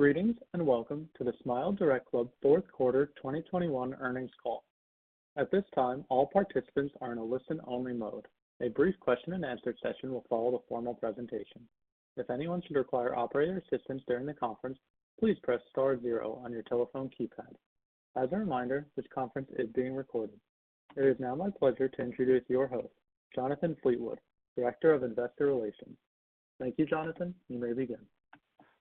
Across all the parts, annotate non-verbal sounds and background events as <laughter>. Greetings, and welcome to the SmileDirectClub fourth quarter 2021 earnings call. At this time, all participants are in a listen-only mode. A brief question-and-answer session will follow the formal presentation. If anyone should require operator assistance during the conference, please press star zero on your telephone keypad. As a reminder, this conference is being recorded. It is now my pleasure to introduce your host, Jonathan Fleetwood, Director of Investor Relations. Thank you, Jonathan. You may begin.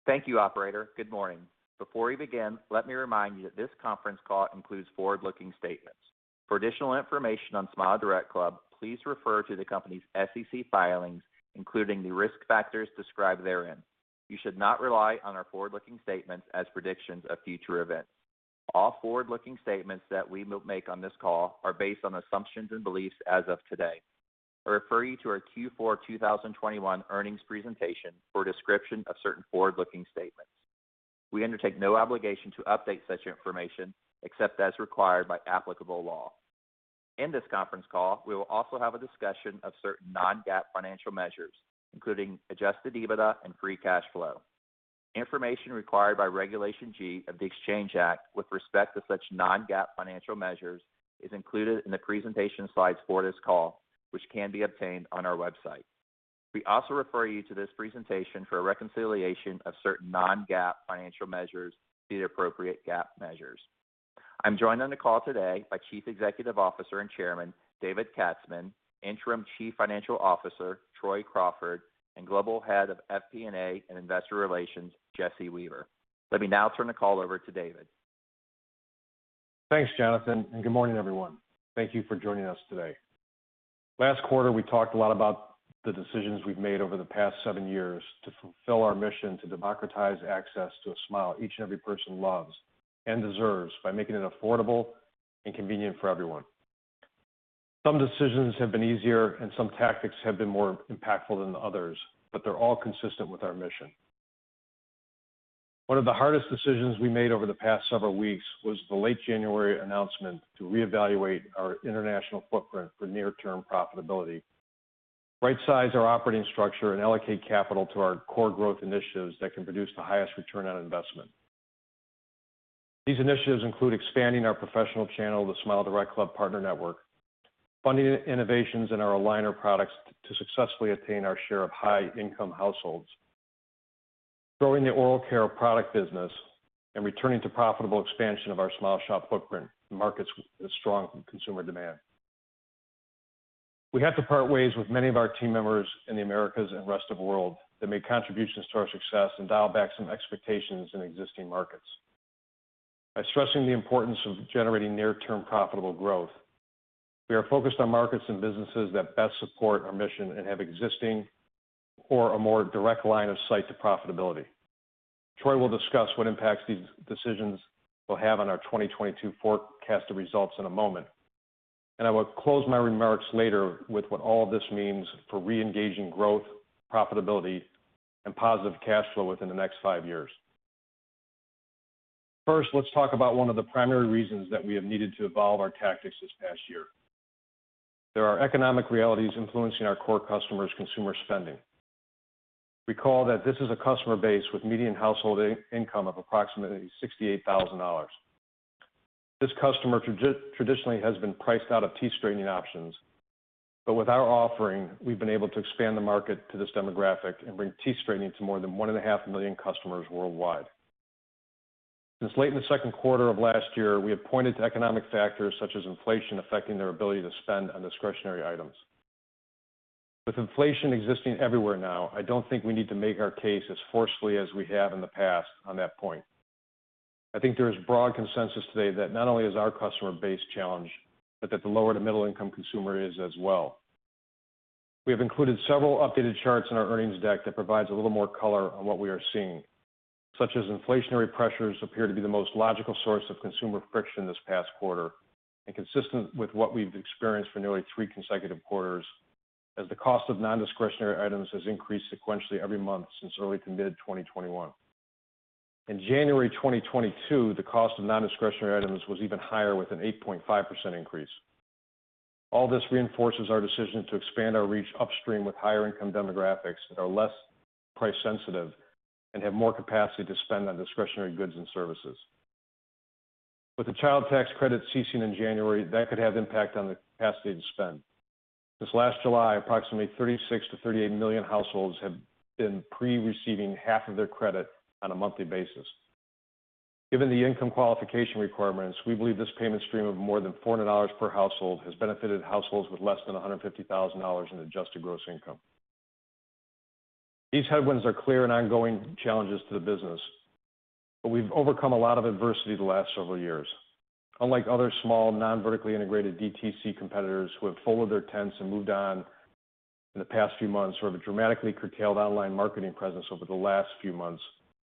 Thank you, operator. Good morning. Before we begin, let me remind you that this conference call includes forward-looking statements. For additional information on SmileDirectClub, please refer to the company's SEC filings, including the risk factors described therein. You should not rely on our forward-looking statements as predictions of future events. All forward-looking statements that we will make on this call are based on assumptions and beliefs as of today. I refer you to our Q4 2021 earnings presentation for a description of certain forward-looking statements. We undertake no obligation to update such information, except as required by applicable law. In this conference call, we will also have a discussion of certain non-GAAP financial measures, including adjusted EBITDA and free cash flow. Information required by Regulation G of the Exchange Act with respect to such non-GAAP financial measures is included in the presentation slides for this call, which can be obtained on our website. We also refer you to this presentation for a reconciliation of certain non-GAAP financial measures to the appropriate GAAP measures. I'm joined on the call today by Chief Executive Officer and Chairman, David Katzman, Interim Chief Financial Officer, Troy Crawford, and Global Head of FP&A and Investor Relations, Jesse Weaver. Let me now turn the call over to David. Thanks, Jonathan, and good morning, everyone. Thank you for joining us today. Last quarter, we talked a lot about the decisions we've made over the past seven years to fulfill our mission to democratize access to a smile each and every person loves and deserves by making it affordable and convenient for everyone. Some decisions have been easier and some tactics have been more impactful than others, but they're all consistent with our mission. One of the hardest decisions we made over the past several weeks was the late January announcement to reevaluate our international footprint for near-term profitability, rightsize our operating structure, and allocate capital to our core growth initiatives that can produce the highest return on investment. These initiatives include expanding our professional channel, the SmileDirectClub Partner Network, funding innovations in our aligner products to successfully attain our share of high-income households, growing the oral care product business, and returning to profitable expansion of our SmileShop footprint in markets with strong consumer demand. We had to part ways with many of our team members in the Americas and rest of world that made contributions to our success and dial back some expectations in existing markets. By stressing the importance of generating near-term profitable growth, we are focused on markets and businesses that best support our mission and have existing or a more direct line-of-sight to profitability. Troy will discuss what impacts these decisions will have on our 2022 forecasted results in a moment, and I will close my remarks later with what all this means for re-engaging growth, profitability, and positive cash flow within the next five years. First, let's talk about one of the primary reasons that we have needed to evolve our tactics this past year. There are economic realities influencing our core customers' consumer spending. Recall that this is a customer base with median household income of approximately $68,000. This customer traditionally has been priced out of teeth-straightening options, but with our offering, we've been able to expand the market to this demographic and bring teeth straightening to more than 1.5 million customers worldwide. Since late in the second quarter of last year, we have pointed to economic factors such as inflation affecting their ability to spend on discretionary items. With inflation existing everywhere now, I don't think we need to make our case as forcefully as we have in the past on that point. I think there is broad consensus today that not only is our customer base challenged, but that the lower- to middle-income consumer is as well. We have included several updated charts in our earnings deck that provide a little more color on what we are seeing, such as inflationary pressures appear to be the most logical source of consumer friction this past quarter and consistent with what we've experienced for nearly three consecutive quarters as the cost of non-discretionary items has increased sequentially every month since early to mid-2021. In January 2022, the cost of non-discretionary items was even higher with an 8.5% increase. All this reinforces our decision to expand our reach upstream with higher income demographics that are less price sensitive and have more capacity to spend on discretionary goods and services. With the Child Tax Credit ceasing in January, that could have impact on the capacity to spend. This last July, approximately 36-38 million households have been receiving half of their credit on a monthly basis. Given the income qualification requirements, we believe this payment stream of more than $400 per household has benefited households with less than $150,000 in adjusted gross income. These headwinds are clear and ongoing challenges to the business, but we've overcome a lot of adversity the last several years. Unlike other small, non-vertically integrated DTC competitors who have folded their tents and moved on in the past few months or have a dramatically curtailed online marketing presence over the last few months,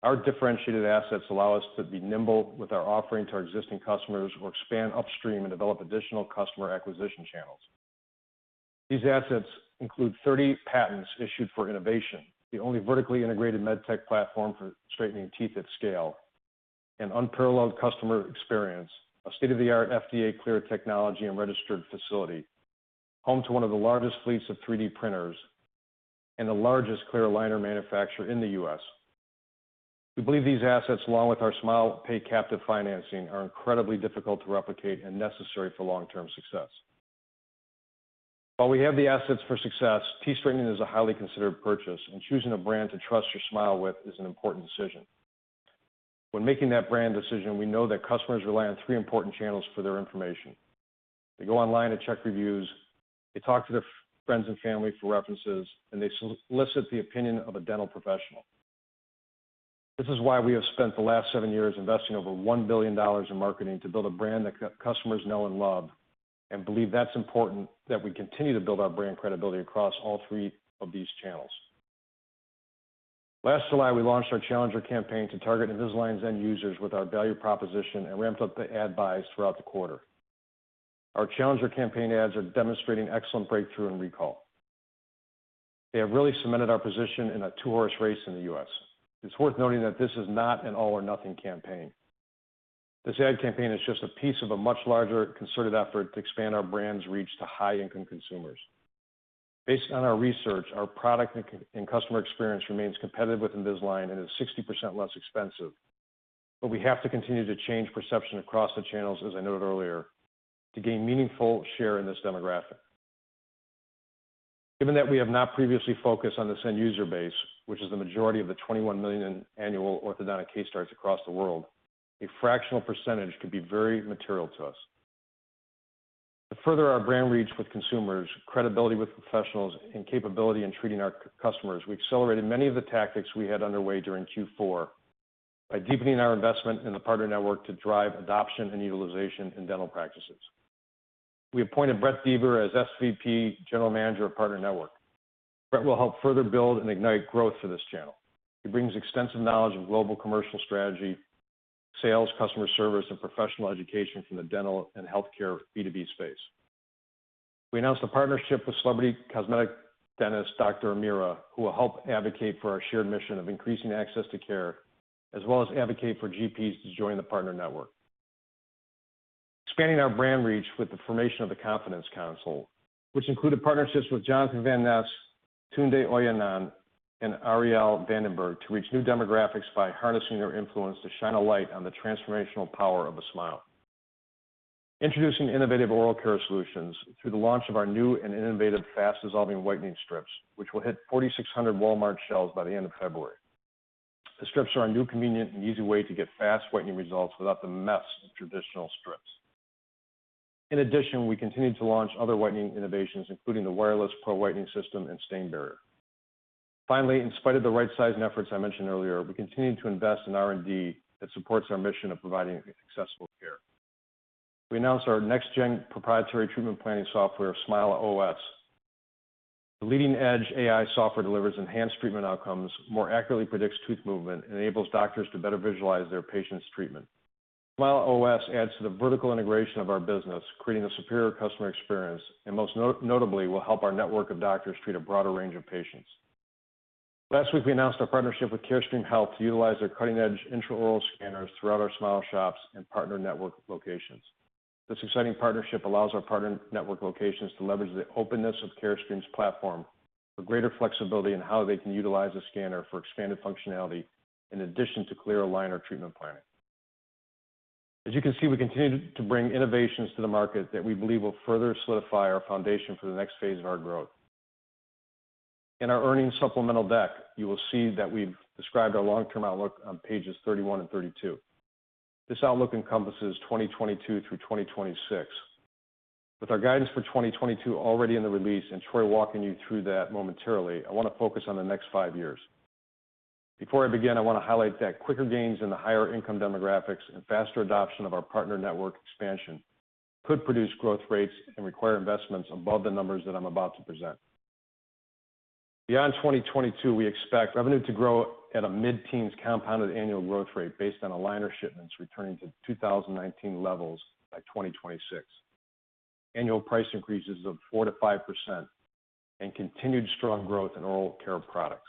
our differentiated assets allow us to be nimble with our offering to our existing customers or expand upstream and develop additional customer acquisition channels. These assets include 30 patents issued for innovation, the only vertically-integrated med tech platform for straightening teeth at scale, an unparalleled customer experience, a state-of-the-art FDA-cleared technology and registered facility, home to one of the largest fleets of 3D printers, and the largest clear aligner manufacturer in the U.S. We believe these assets, along with our SmilePay captive financing, are incredibly difficult to replicate and necessary for long-term success. While we have the assets for success, teeth straightening is a highly considered purchase, and choosing a brand to trust your smile with is an important decision. When making that brand decision, we know that customers rely on three important channels for their information. They go online to check reviews, they talk to their friends and family for references, and they solicit the opinion of a dental professional. This is why we have spent the last seven years investing over $1 billion in marketing to build a brand that customers know and love, and we believe it's important that we continue to build our brand credibility across all three of these channels. Last July, we launched our Challenger campaign to target Invisalign's end users with our value proposition and ramped up the ad buys throughout the quarter. Our Challenger campaign ads are demonstrating excellent breakthrough and recall. They have really cemented our position in a two-horse race in the U.S. It's worth noting that this is not an all-or-nothing campaign. This ad campaign is just a piece of a much larger concerted effort to expand our brand's reach to high-income consumers. Based on our research, our product and customer experience remains competitive with Invisalign and is 60% less expensive. But we have to continue to change perception across the channels, as I noted earlier, to gain meaningful share in this demographic. Given that we have not previously focused on this end-user base, which is the majority of the 21 million annual orthodontic case starts across the world, a fractional percentage could be very material to us. To further our brand reach with consumers, credibility with professionals, and capability in treating our customers, we accelerated many of the tactics we had underway during Q4 by deepening our investment in the partner network to drive adoption and utilization in dental practices. We appointed Brett Deaver as SVP General Manager of Partner Network. Brett will help further build and ignite growth for this channel. He brings extensive knowledge of global commercial strategy, sales, customer service, and professional education from the dental and healthcare B2B space. We announced a partnership with celebrity cosmetic dentist Dr. Amira, who will help advocate for our shared mission of increasing access to care, as well as advocate for GPs to join the partner network. Expanding our brand reach with the formation of the Confidence Council, which included partnerships with Jonathan Van Ness, Tunde Oyeneyin, and Arielle Vandenberg to reach new demographics by harnessing their influence to shine a light on the transformational power of a smile. Introducing innovative oral care solutions through the launch of our new and innovative Fast-Dissolving Whitening Strips, which will hit 4,600 Walmart shelves by the end of February. The strips are a new, convenient, and easy way to get fast whitening results without the mess of traditional strips. In addition, we continued to launch other whitening innovations, including the wireless Pro Whitening System and Stain Barrier. Finally, in spite of the right-sizing efforts I mentioned earlier, we continued to invest in R&D that supports our mission of providing accessible care. We announced our next-gen proprietary treatment planning software, SmileOS. The leading-edge AI software delivers enhanced treatment outcomes, more accurately predicts tooth movement, and enables doctors to better visualize their patients' treatment. SmileOS adds to the vertical integration of our business, creating a superior customer experience, and most notably, will help our network of doctors treat a broader range of patients. Last week, we announced our partnership with Carestream Health to utilize their cutting-edge intraoral scanners throughout our SmileShops and partner network locations. This exciting partnership allows our partner network locations to leverage the openness of Carestream's platform for greater flexibility in how they can utilize the scanner for expanded functionality in addition to clear aligner treatment planning. As you can see, we continue to bring innovations to the market that we believe will further solidify our foundation for the next phase of our growth. In our earnings supplemental deck, you will see that we've described our long-term outlook on pages 31 and 32. This outlook encompasses 2022 through 2026. With our guidance for 2022 already in the release and Troy walking you through that momentarily, I want to focus on the next five years. Before I begin, I want to highlight that quicker gains in the higher income demographics and faster adoption of our partner network expansion could produce growth rates and require investments above the numbers that I'm about to present. Beyond 2022, we expect revenue to grow at a mid-teens compounded annual growth rate based on aligner shipments returning to 2019 levels by 2026, annual price increases of 4%-5%, and continued strong growth in oral care products.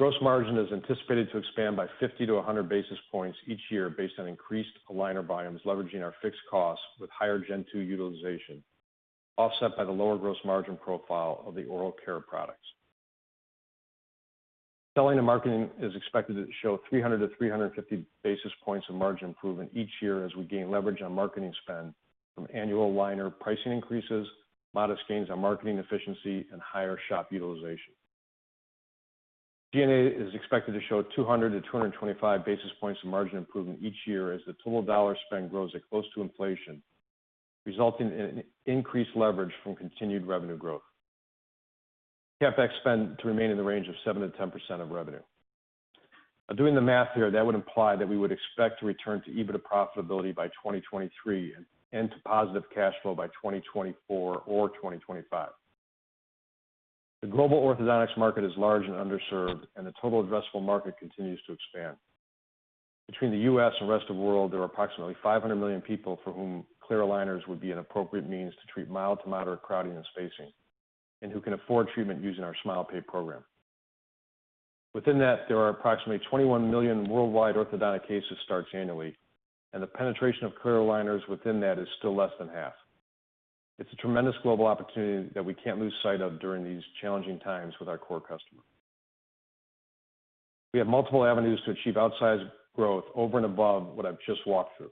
Gross margin is anticipated to expand by 50-100 basis points each year based on increased aligner volumes leveraging our fixed costs with higher Gen 2 utilization, offset by the lower gross margin profile of the oral care products. Selling and marketing is expected to show 300-350 basis points of margin improvement each year as we gain leverage on marketing spend from annual aligner pricing increases, modest gains on marketing efficiency, and higher shop utilization. G&A is expected to show 200-225 basis points of margin improvement each year as the total dollar spend grows at close to inflation, resulting in increased leverage from continued revenue growth. CapEx spend to remain in the range of 7%-10% of revenue. Doing the math here, that would imply that we would expect to return to EBITDA profitability by 2023 and to positive cash flow by 2024 or 2025. The global orthodontics market is large and underserved, and the total addressable market continues to expand. Between the U.S. and rest of world, there are approximately 500 million people for whom clear aligners would be an appropriate means to treat mild to moderate crowding and spacing, and who can afford treatment using our SmilePay program. Within that, there are approximately 21 million worldwide orthodontic cases starts annually, and the penetration of clear aligners within that is still less than half. It's a tremendous global opportunity that we can't lose sight of during these challenging times with our core customer. We have multiple avenues to achieve outsized growth over and above what I've just walked through.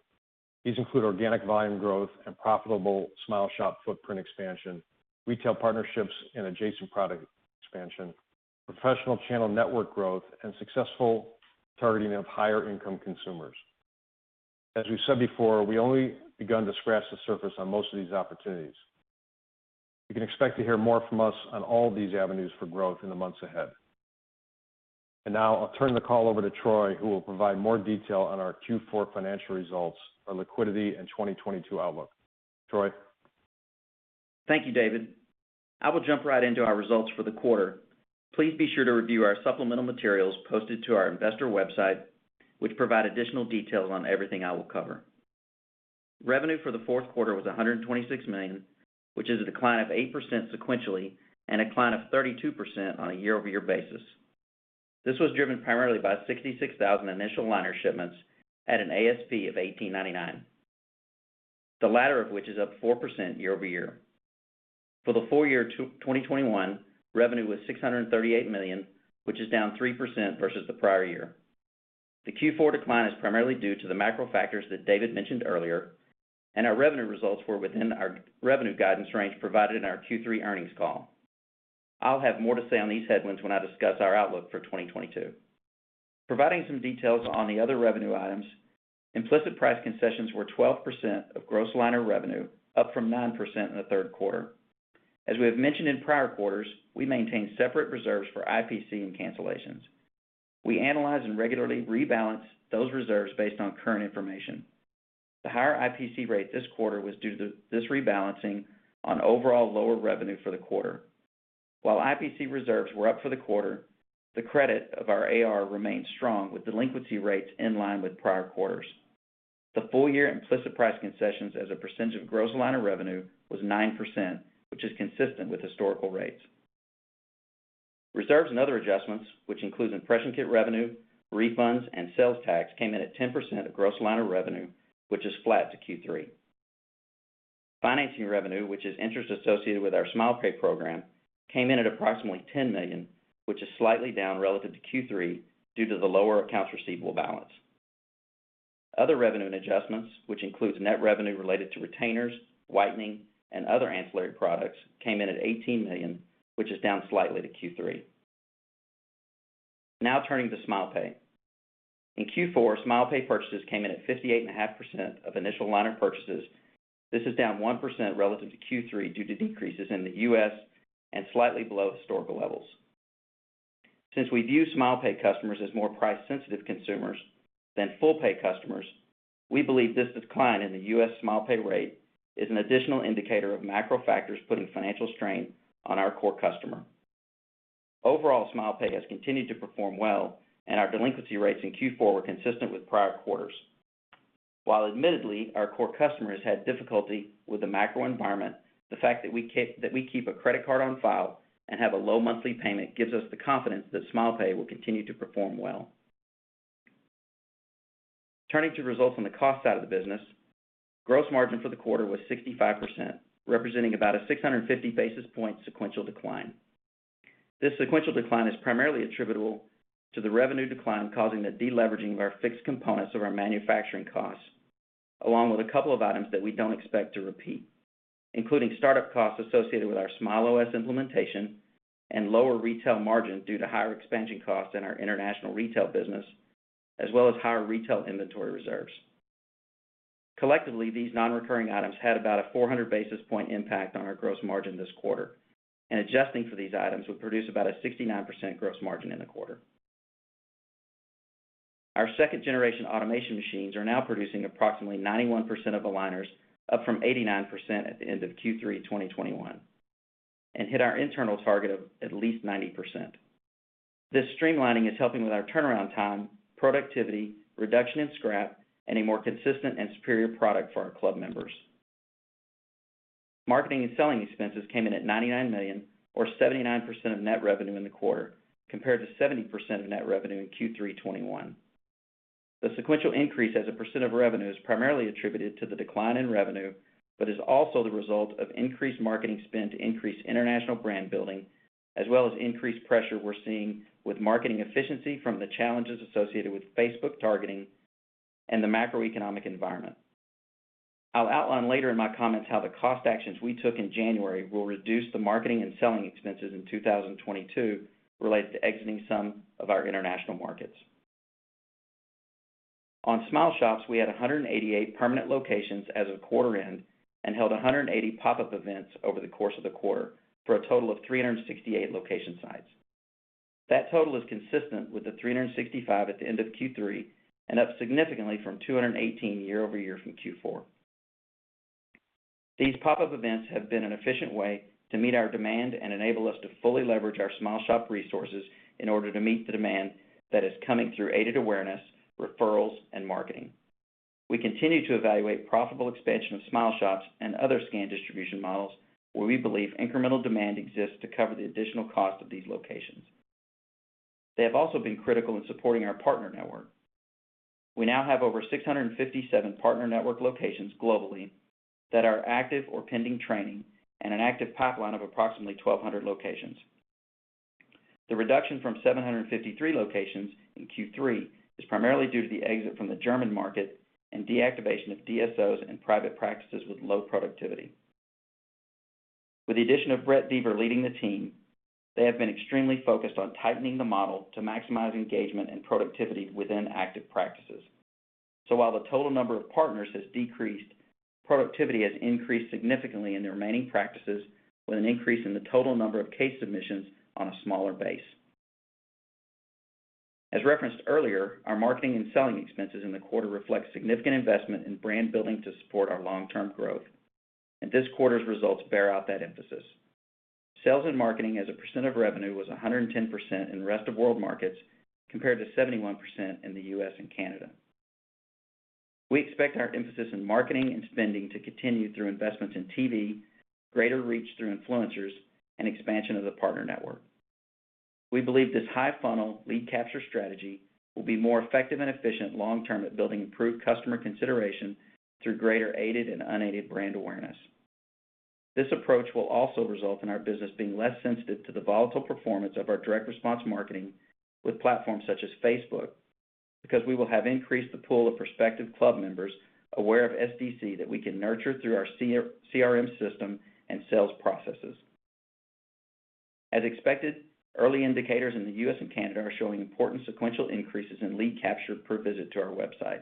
These include organic volume growth and profitable SmileShop footprint expansion, retail partnerships, and adjacent product expansion, professional channel network growth, and successful targeting of higher income consumers. As we've said before, we only begun to scratch the surface on most of these opportunities. You can expect to hear more from us on all of these avenues for growth in the months ahead. Now I'll turn the call over to Troy, who will provide more detail on our Q4 financial results, our liquidity, and 2022 outlook. Troy? Thank you, David. I will jump right into our results for the quarter. Please be sure to review our supplemental materials posted to our investor website, which provide additional details on everything I will cover. Revenue for the fourth quarter was $126 million, which is a decline of 8% sequentially and a decline of 32% on a year-over-year basis. This was driven primarily by 66,000 initial aligner shipments at an ASP of $1,899. The latter of which is up 4% year-over-year. For the full-year 2021, revenue was $638 million, which is down 3% versus the prior year. The Q4 decline is primarily due to the macro factors that David mentioned earlier, and our revenue results were within our revenue guidance range provided in our Q3 earnings call. I'll have more to say on these headwinds when I discuss our outlook for 2022. Providing some details on the other revenue items, implicit price concessions were 12% of gross aligner revenue, up from 9% in the third quarter. As we have mentioned in prior quarters, we maintain separate reserves for IPC and cancellations. We analyze and regularly rebalance those reserves based on current information. The higher IPC rate this quarter was due to this rebalancing on overall lower revenue for the quarter. While IPC reserves were up for the quarter, the credit of our AR remained strong with delinquency rates in line with prior quarters. The full year implicit price concessions as a percentage of gross aligner revenue was 9%, which is consistent with historical rates. Reserves and other adjustments, which includes impression kit revenue, refunds, and sales tax, came in at 10% of gross aligner revenue, which is flat to Q3. Financing revenue, which is interest associated with our SmilePay program, came in at approximately $10 million, which is slightly down relative to Q3 due to the lower accounts receivable balance. Other revenue and adjustments, which includes net revenue related to retainers, whitening, and other ancillary products, came in at $18 million, which is down slightly to Q3. Now turning to SmilePay. In Q4, SmilePay purchases came in at 58.5% of initial liner purchases. This is down 1% relative to Q3 due to decreases in the U.S. and slightly below historical levels. Since we view SmilePay customers as more price-sensitive consumers than full-pay customers, we believe this decline in the U.S. SmilePay rate is an additional indicator of macro factors putting financial strain on our core customer. Overall, SmilePay has continued to perform well, and our delinquency rates in Q4 were consistent with prior quarters. While admittedly, our core customers had difficulty with the macro environment, the fact that we keep a credit card on file and have a low monthly payment gives us the confidence that SmilePay will continue to perform well. Turning to results on the cost side of the business, gross margin for the quarter was 65%, representing about a 650 basis point sequential decline. This sequential decline is primarily attributable to the revenue decline, causing the deleveraging of our fixed components of our manufacturing costs, along with a couple of items that we don't expect to repeat, including startup costs associated with our SmileOS implementation and lower retail margins due to higher expansion costs in our international retail business, as well as higher retail inventory reserves. Collectively, these non-recurring items had about a 400 basis points impact on our gross margin this quarter, and adjusting for these items would produce about a 69% gross margin in the quarter. Our second-generation automation machines are now producing approximately 91% of aligners, up from 89% at the end of Q3 2021, and hit our internal target of at least 90%. This streamlining is helping with our turnaround time, productivity, reduction in scrap, and a more consistent and superior product for our club members. Marketing and selling expenses came in at $99 million or 79% of net revenue in the quarter, compared to 70% of net revenue in Q3 2021. The sequential increase as a percent of revenue is primarily attributed to the decline in revenue but is also the result of increased marketing spend to increase international brand building, as well as increased pressure we're seeing with marketing efficiency from the challenges associated with Facebook-targeting and the macroeconomic environment. I'll outline later in my comments how the cost actions we took in January will reduce the marketing and selling expenses in 2022 related to exiting some of our international markets. On SmileShops, we had 188 permanent locations as of quarter end and held 180 pop-up events over the course of the quarter, for a total of 368 location sites. That total is consistent with the 365 at the end of Q3 and up significantly from 218 year-over-year from Q4. These pop-up events have been an efficient way to meet our demand and enable us to fully leverage our SmileShop resources in order to meet the demand that is coming through aided awareness, referrals, and marketing. We continue to evaluate profitable expansion of SmileShops and other scan distribution models where we believe incremental demand exists to cover the additional cost of these locations. They have also been critical in supporting our partner network. We now have over 657 partner network locations globally that are active or pending training and an active pipeline of approximately 1,200 locations. The reduction from 753 locations in Q3 is primarily due to the exit from the German market and deactivation of DSOs and private practices with low productivity. With the addition of Brett Deaver leading the team, they have been extremely focused on tightening the model to maximize engagement and productivity within active practices. While the total number of partners has decreased, productivity has increased significantly in the remaining practices with an increase in the total number of case submissions on a smaller base. As referenced earlier, our marketing and selling expenses in the quarter reflect significant investment in brand building to support our long-term growth, and this quarter's results bear out that emphasis. Sales and marketing as a percent of revenue was 110% in the rest of world markets, compared to 71% in the U.S. and Canada. We expect our emphasis in marketing and spending to continue through investments in TV, greater reach through influencers, and expansion of the partner network. We believe this high funnel lead capture strategy will be more effective and efficient long term at building improved customer consideration through greater aided and unaided brand awareness. This approach will also result in our business being less sensitive to the volatile performance of our direct-response marketing with platforms such as Facebook, because we will have increased the pool of prospective club members aware of SDC that we can nurture through our CRM system and sales processes. As expected, early indicators in the U.S. and Canada are showing important sequential increases in lead capture per visit to our website,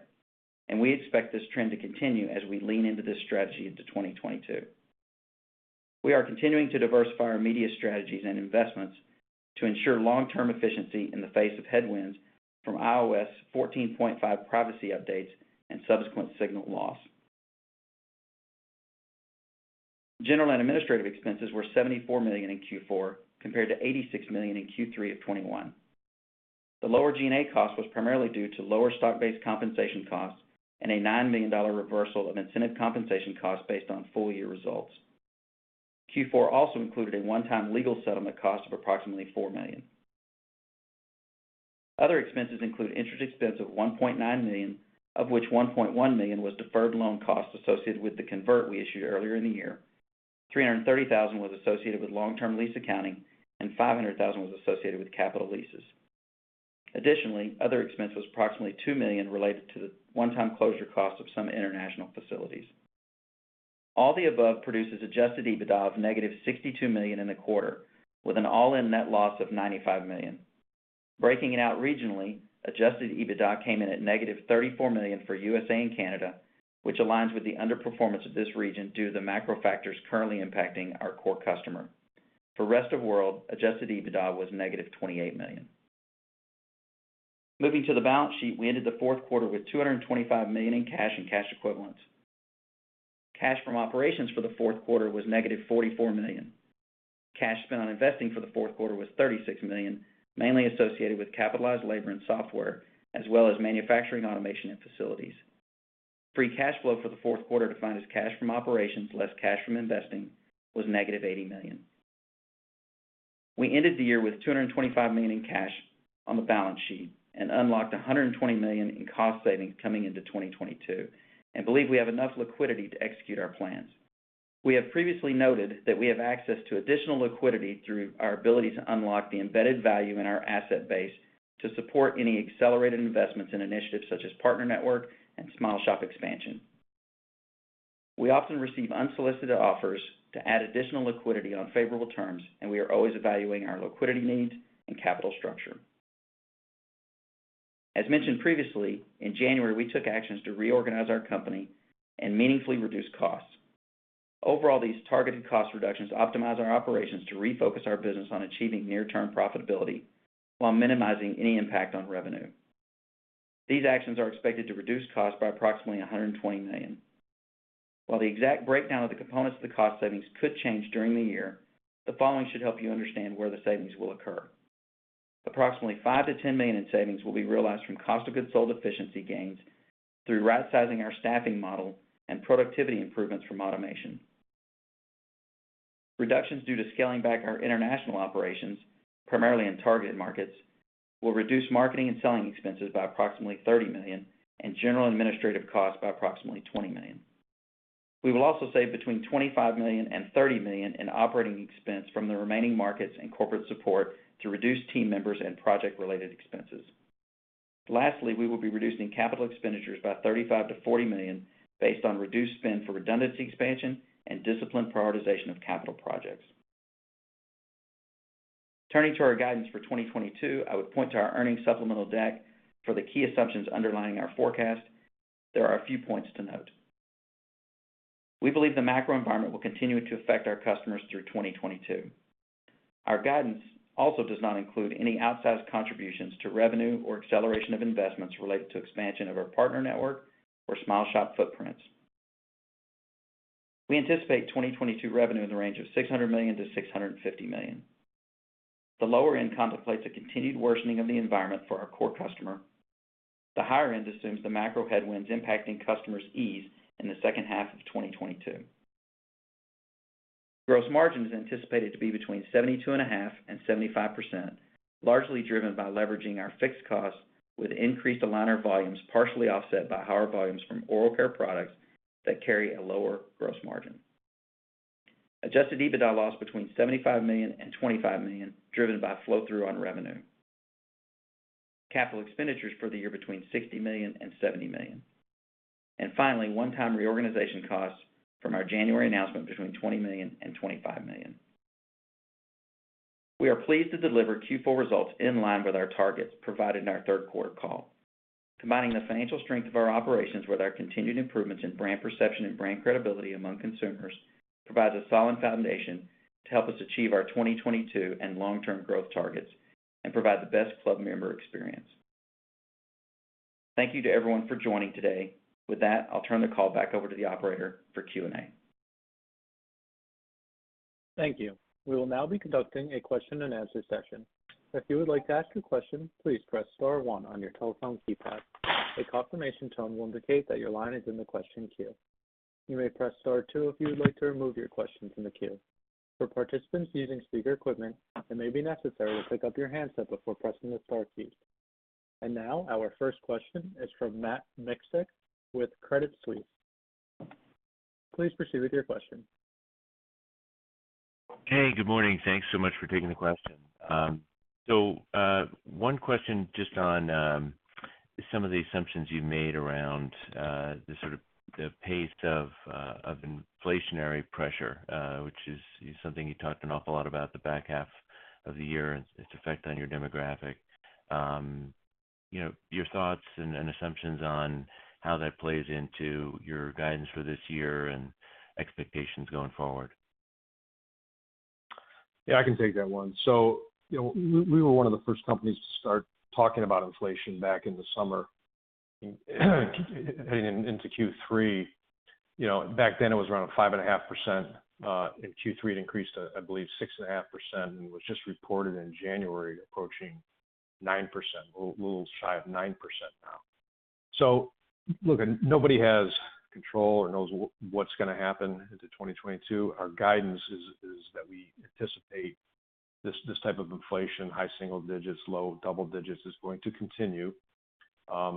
and we expect this trend to continue as we lean into this strategy into 2022. We are continuing to diversify our media strategies and investments to ensure long-term efficiency in the face of headwinds from iOS 14.5 privacy updates and subsequent signal loss. General and administrative expenses were $74 million in Q4, compared to $86 million in Q3 of 2021. The lower G&A cost was primarily due to lower stock-based compensation costs and a $9 million reversal of incentive compensation costs based on full year results. Q4 also included a one-time legal settlement cost of approximately $4 million. Other expenses include interest expense of $1.9 million, of which $1.1 million was deferred loan costs associated with the convert we issued earlier in the year. $330,000 was associated with long-term lease accounting, and $500,000 was associated with capital leases. Additionally, other expense was approximately $2 million related to the one-time closure cost of some international facilities. All the above produces adjusted EBITDA of -$62 million in the quarter, with an all-in net loss of $95 million. Breaking it out regionally, adjusted EBITDA came in at -$34 million for USA and Canada, which aligns with the underperformance of this region due to the macro factors currently impacting our core customer. For rest of world, adjusted EBITDA was -$28 million. Moving to the balance sheet, we ended the fourth quarter with $225 million in cash and cash equivalents. Cash from operations for the fourth quarter was -$44 million. Cash spent on investing for the fourth quarter was $36 million, mainly associated with capitalized labor and software, as well as manufacturing automation and facilities. Free cash flow for the fourth quarter, defined as cash from operations less cash from investing, was -$80 million. We ended the year with $225 million in cash on the balance sheet and unlocked $120 million in cost savings coming into 2022 and believe we have enough liquidity to execute our plans. We have previously noted that we have access to additional liquidity through our ability to unlock the embedded value in our asset base to support any accelerated investments in initiatives such as Partner Network and SmileShop expansion. We often receive unsolicited offers to add additional liquidity on favorable terms, and we are always evaluating our liquidity needs and capital structure. As mentioned previously, in January, we took actions to reorganize our company and meaningfully reduce costs. Overall, these targeted cost reductions optimize our operations to refocus our business on achieving near-term profitability while minimizing any impact on revenue. These actions are expected to reduce costs by approximately $120 million. While the exact breakdown of the components of the cost savings could change during the year, the following should help you understand where the savings will occur. Approximately $5 million-$10 million in savings will be realized from cost of goods sold efficiency gains through rightsizing our staffing model and productivity improvements from automation. Reductions due to scaling back our international operations, primarily in targeted markets, will reduce marketing and selling expenses by approximately $30 million and general and administrative costs by approximately $20 million. We will also save between $25 million and $30 million in operating expense from the remaining markets and corporate support to reduce team members and project-related expenses. Lastly, we will be reducing capital expenditures by $35 million-$40 million based on reduced spend for redundancy expansion and disciplined prioritization of capital projects. Turning to our guidance for 2022, I would point to our earnings supplemental deck for the key assumptions underlying our forecast. There are a few points to note. We believe the macro environment will continue to affect our customers through 2022. Our guidance also does not include any outsized contributions to revenue or acceleration of investments related to expansion of our partner network or SmileShop footprints. We anticipate 2022 revenue in the range of $600 million-$650 million. The lower end contemplates a continued worsening of the environment for our core customer. The higher end assumes the macro headwinds impacting customers ease in the second half of 2022. Gross margin is anticipated to be between 72.5% and 75%, largely driven by leveraging our fixed costs with increased aligner volumes, partially offset by higher volumes from oral care products that carry a lower gross margin. Adjusted EBITDA loss between $75 million and $25 million, driven by flow-through on revenue. Capital expenditures for the year between $60 million and $70 million. Finally, one-time reorganization costs from our January announcement between $20 million and $25 million. We are pleased to deliver Q4 results in line with our targets provided in our third quarter call. Combining the financial strength of our operations with our continued improvements in brand perception and brand credibility among consumers provides a solid foundation to help us achieve our 2022 and long-term growth targets and provide the best club member experience. Thank you to everyone for joining today. With that, I'll turn the call back over to the operator for Q&A. Thank you. We will now be conducting a question-and-answer session. If you would like to ask a question, please press star one on your telephone keypad. A confirmation tone will indicate that your line is in the question queue. You may press star two if you would like to remove your question from the queue. For participants using speaker equipment, it may be necessary to pick up your handset before pressing the star keys. Now our first question is from Matt Miksic with Credit Suisse. Please proceed with your question. Hey, good morning. Thanks so much for taking the question. One question just on some of the assumptions you made around the sort of pace of inflationary pressure, which is something you talked an awful lot about the back half of the year and its effect on your demographic. You know, your thoughts and assumptions on how that plays into your guidance for this year and expectations going forward. Yeah, I can take that one. You know, we were one of the first companies to start talking about inflation back in the summer heading into Q3. You know, back then it was around 5.5%. In Q3, it increased, I believe, 6.5%, and was just reported in January approaching 9%, a little shy of 9% now. Look, nobody has control or knows what's gonna happen into 2022. Our guidance is that we anticipate this type of inflation, high single digits, low double digits, is going to continue.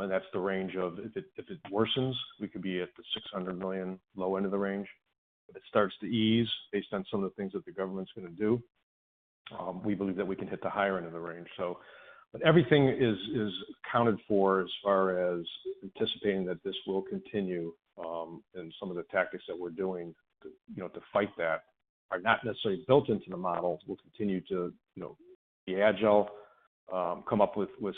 That's the range. If it worsens, we could be at the $600 million low end of the range. If it starts to ease based on some of the things that the government's gonna do, we believe that we can hit the higher end of the range. Everything is accounted for as far as anticipating that this will continue. Some of the tactics that we're doing to, you know, to fight that are not necessarily built into the model. We'll continue to, you know, be agile, come up with with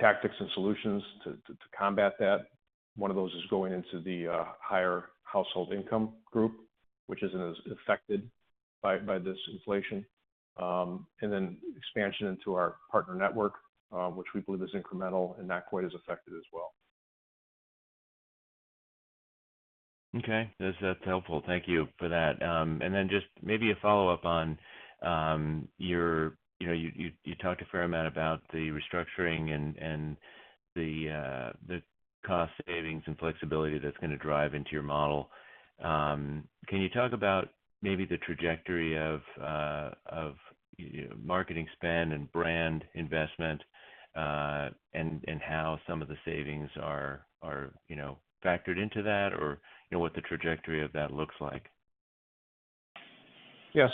tactics and solutions to combat that. One of those is going into the higher household income group, which isn't as affected by this inflation. Expansion into our partner network, which we believe is incremental and not quite as affected as well. Okay. That's helpful. Thank you for that. Just maybe a follow-up on your, you know, you talked a fair amount about the restructuring and the cost savings and flexibility that's gonna drive into your model. Can you talk about maybe the trajectory of you know, marketing spend and brand investment and how some of the savings are you know, factored into that, or you know, what the trajectory of that looks like? Yeah.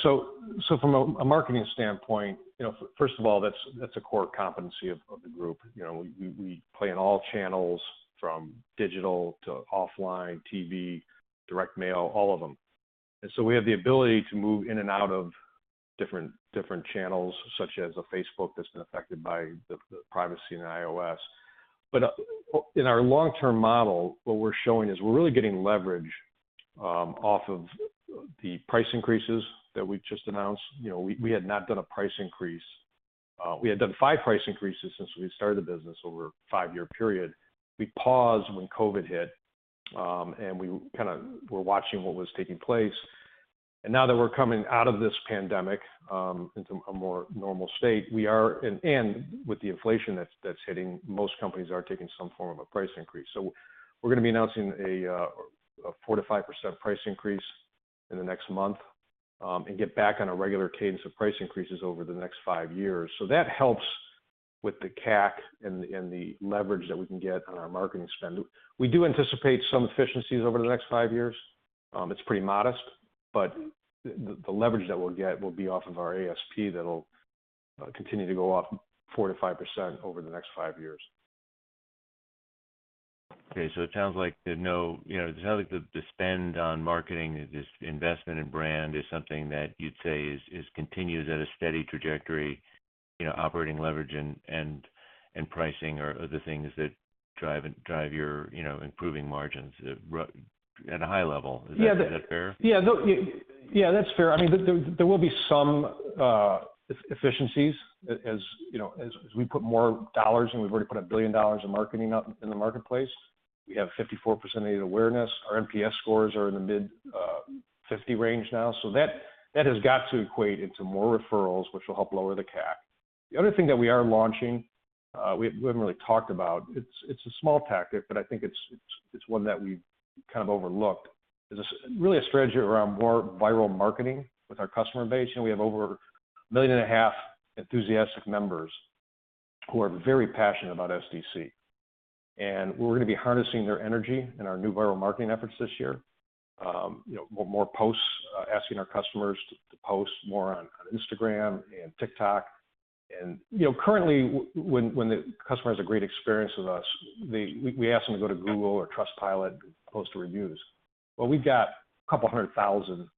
From a marketing standpoint, you know, first of all, that's a core competency of the group. You know, we play in all channels from digital to offline, TV, direct mail, all of them. We have the ability to move in and out of different channels, such as Facebook that's been affected by the privacy in iOS. In our long-term model, what we're showing is we're really getting leverage off of the price increases that we've just announced. You know, we had not done a price increase. We had done five price increases since we started the business over a five-year period. We paused when COVID hit, and we kinda were watching what was taking place. Now that we're coming out of this pandemic, into a more normal state, with the inflation that's hitting, most companies are taking some form of a price increase. We're gonna be announcing a 4%-5% price increase in the next month, and get back on a regular cadence of price increases over the next five years. That helps with the CAC and the leverage that we can get on our marketing spend. We do anticipate some efficiencies over the next five years. It's pretty modest, but the leverage that we'll get will be off of our ASP that'll continue to go up 4%-5% over the next five years. It sounds like there's no, you know, it sounds like the spend on marketing, this investment in brand is something that you'd say is continues at a steady trajectory, you know, operating leverage and pricing are the things that drive your, you know, improving margins at a high level. Is that fair? Yeah. No. Yeah, that's fair. I mean, there will be some efficiencies as, you know, as we put more dollars, and we've already put $1 billion in marketing out in the marketplace. We have 54% aided awareness. Our NPS scores are in the mid-50 range now. So that has got to equate into more referrals, which will help lower the CAC. The other thing that we are launching, we haven't really talked about, it's a small tactic, but I think it's one that we've kind of overlooked, is really a strategy around more viral marketing with our customer base. You know, we have over 1.5 million enthusiastic members who are very passionate about SDC. We're gonna be harnessing their energy in our new viral marketing efforts this year. You know, more posts asking our customers to post more on Instagram and TikTok. You know, currently when the customer has a great experience with us, We ask them to go to Google or Trustpilot to post their reviews. Well, we've got a couple hundred thousand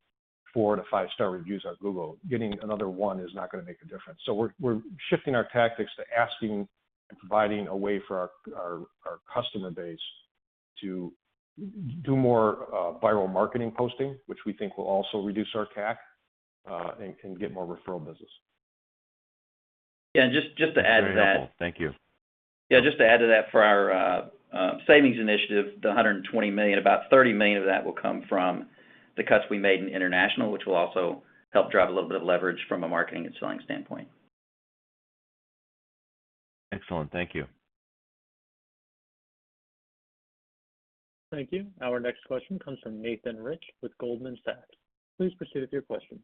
4- to 5-star reviews on Google. Getting another one is not gonna make a difference. We're shifting our tactics to asking and providing a way for our customer base to do more viral marketing posting, which we think will also reduce our CAC and can get more referral business. Very helpful. Thank you. Yeah, just to add to that, for our savings initiative, the $120 million, about $30 million of that will come from the cuts we made in international, which will also help drive a little bit of leverage from a marketing and selling standpoint. Excellent. Thank you. Thank you. Our next question comes from Nathan Rich with Goldman Sachs. Please proceed with your question.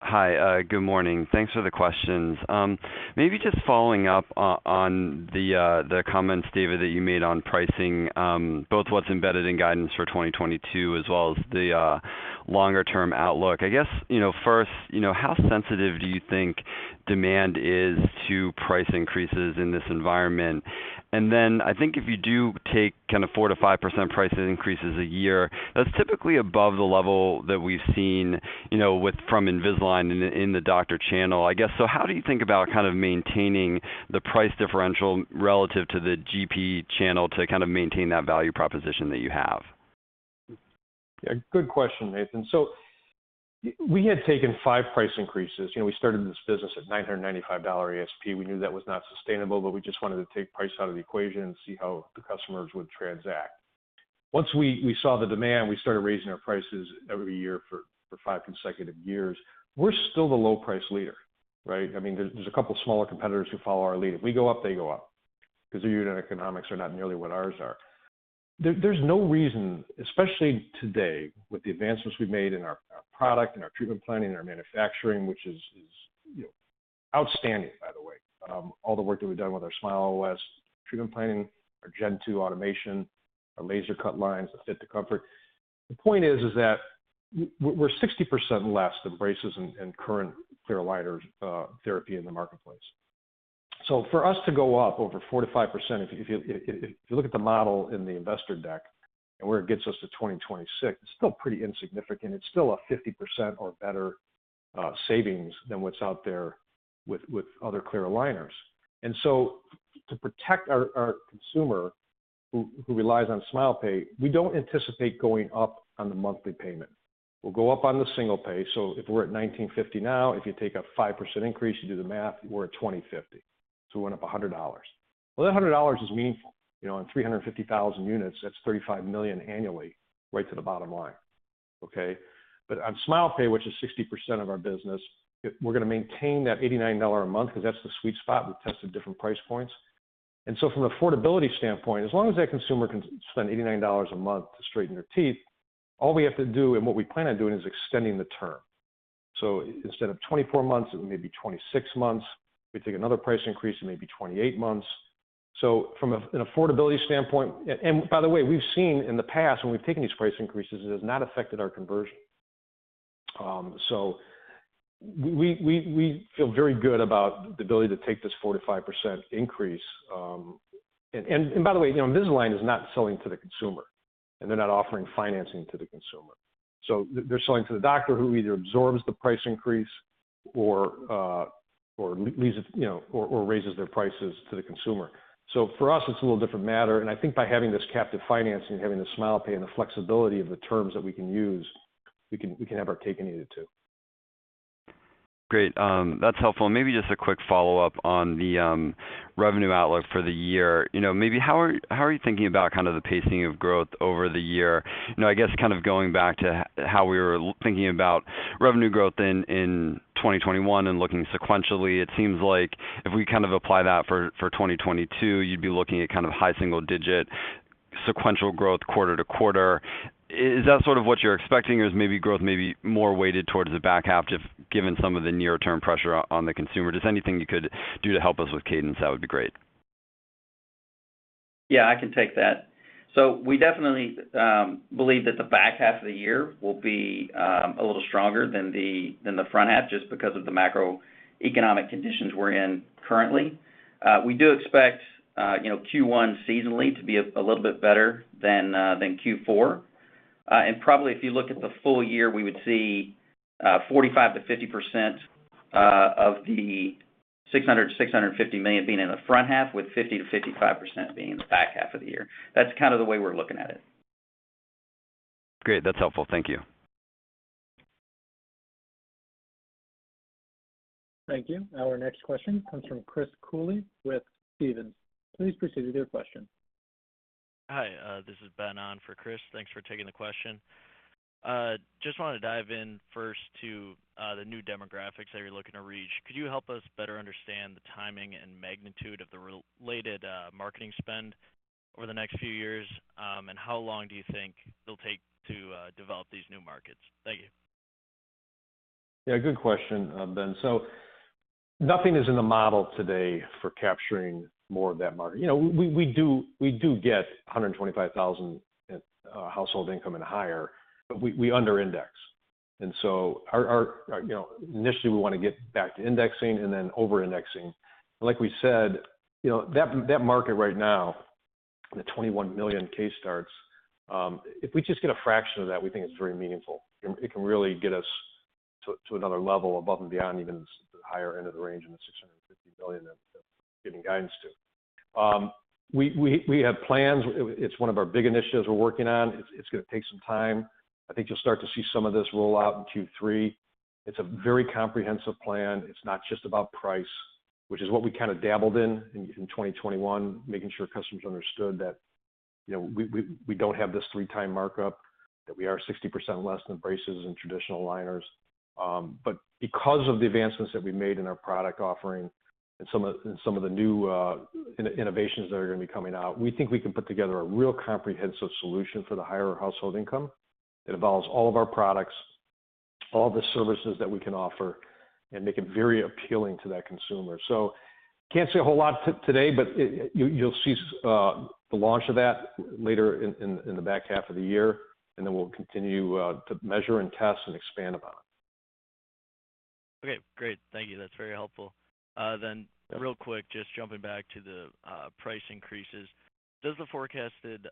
Hi. Good morning. Thanks for the questions. Maybe just following up on the comments, David, that you made on pricing, both what's embedded in guidance for 2022 as well as the longer term outlook. I guess, you know, first, you know, how sensitive do you think demand is to price increases in this environment? Then I think if you do take kind of 4%-5% price increases a year, that's typically above the level that we've seen, you know, from Invisalign in the doctor channel. I guess, so how do you think about kind of maintaining the price differential relative to the GP channel to kind of maintain that value proposition that you have? Yeah, good question, Nathan. We had taken five price increases. You know, we started this business at $995 ASP. We knew that was not sustainable, but we just wanted to take price out of the equation and see how the customers would transact. Once we saw the demand, we started raising our prices every year for five consecutive years. We're still the low price leader, right? I mean, there's a couple smaller competitors who follow our lead. If we go up, they go up, 'cause their unit economics are not nearly what ours are. There's no reason, especially today, with the advancements we've made in our product, in our treatment planning, in our manufacturing, which is, you know, outstanding, by the way. All the work that we've done with our SmileOS treatment planning, our Gen 2 automation, our laser cut lines, the fit to comfort. The point is that we're 60% less than braces and current clear aligners therapy in the marketplace. For us to go up over 4%-5%, if you look at the model in the investor deck and where it gets us to 2026, it's still pretty insignificant. It's still a 50% or better savings than what's out there with other clear aligners. To protect our consumer who relies on SmilePay, we don't anticipate going up on the monthly payment. We'll go up on the single pay. If we're at 1,950 now, if you take a 5% increase, you do the math, we're at 2,050. We went up $100. Well, that $100 is meaningful. You know, on 350,000 units, that's $35 million annually right to the bottom line, okay? But on SmilePay, which is 60% of our business, we're gonna maintain that $89 a month because that's the sweet spot. We've tested different price points. From an affordability standpoint, as long as that consumer can spend $89 a month to straighten their teeth, all we have to do and what we plan on doing is extending the term. Instead of 24 months, it may be 26 months. If we take another price increase, it may be 28 months. From an affordability standpoint... By the way, we've seen in the past when we've taken these price increases, it has not affected our conversion. We feel very good about the ability to take this 4%-5% increase. By the way, you know, Invisalign is not selling to the consumer, and they're not offering financing to the consumer. They're selling to the doctor who either absorbs the price increase or leaves it, you know, or raises their prices to the consumer. For us, it's a little different matter, and I think by having this captive financing, having the SmilePay and the flexibility of the terms that we can use, we can have our cake and eat it too. Great. That's helpful. Maybe just a quick follow-up on the revenue outlook for the year. You know, maybe how are you thinking about kind of the pacing of growth over the year? You know, I guess kind of going back to how we were thinking about revenue growth in 2021 and looking sequentially, it seems like if we kind of apply that for 2022, you'd be looking at kind of high single-digit sequential growth quarter-to-quarter. Is that sort of what you're expecting or is maybe growth more weighted towards the back half just given some of the near-term pressure on the consumer? Just anything you could do to help us with cadence, that would be great. Yeah, I can take that. We definitely believe that the back half of the year will be a little stronger than the front half just because of the macroeconomic conditions we're in currently. We do expect, you know, Q1 seasonally to be a little bit better than Q4. And probably if you look at the full year, we would see 45%-50% of the $600 million-$650 million being in the front half, with 50%-55% being in the back half of the year. That's kind of the way we're looking at it. Great. That's helpful. Thank you. Our next question comes from Chris Cooley with Stephens. Please proceed with your question. Hi, this is Ben on for Chris. Thanks for taking the question. I just want to dive in first to the new demographics that you're looking to reach. Could you help us better understand the timing and magnitude of the related marketing spend over the next few years? How long do you think it'll take to develop these new markets? Thank you. Yeah, good question, Ben. Nothing is in the model today for capturing more of that market. You know, we do get 125,000 household income and higher, but we under index. Our, you know, initially, we want to get back to indexing and then over-indexing. Like we said, you know, that market right now, the 21 million case starts, if we just get a fraction of that, we think it's very meaningful. It can really get us to another level above and beyond even the higher end of the range in the $650 million that we're giving guidance to. We have plans. It's one of our big initiatives we're working on. It's gonna take some time. I think you'll start to see some of this roll out in Q3. It's a very comprehensive plan. It's not just about price, which is what we kind of dabbled in in 2021, making sure customers understood that, you know, we don't have this three-time markup, that we are 60% less than braces and traditional aligners. But because of the advancements that we made in our product offering and some of the new innovations that are gonna be coming out, we think we can put together a real comprehensive solution for the higher household income. It involves all of our products, all the services that we can offer, and make it very appealing to that consumer. Can't say a whole lot today, but it. You'll see the launch of that later in the back half of the year, and then we'll continue to measure and test and expand upon it. Okay, great. Thank you. That's very helpful. Real quick, just jumping back to the price increases. Does the forecasted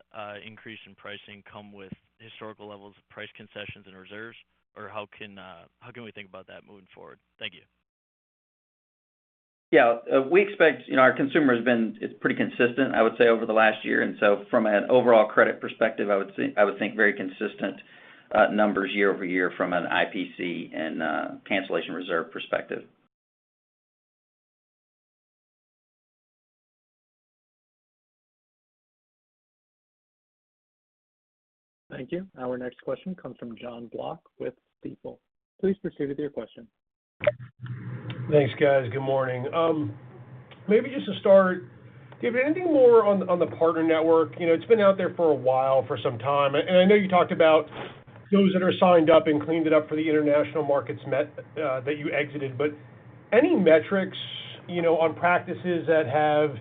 increase in pricing come with historical levels of price concessions and reserves, or how can we think about that moving forward? Thank you. We expect, you know, our consumer has been pretty consistent, I would say, over the last year, and so from an overall credit perspective, I would think very consistent numbers year-over-year from an IPC and cancellation reserve perspective. Thank you. Our next question comes from Jon Block with Stifel. Please proceed with your question. Thanks, guys. Good morning. Maybe just to start, do you have anything more on the partner network? You know, it's been out there for a while, for some time. And I know you talked about those that are signed up and cleaned it up for the international markets that you exited, but any metrics, you know, on practices that have,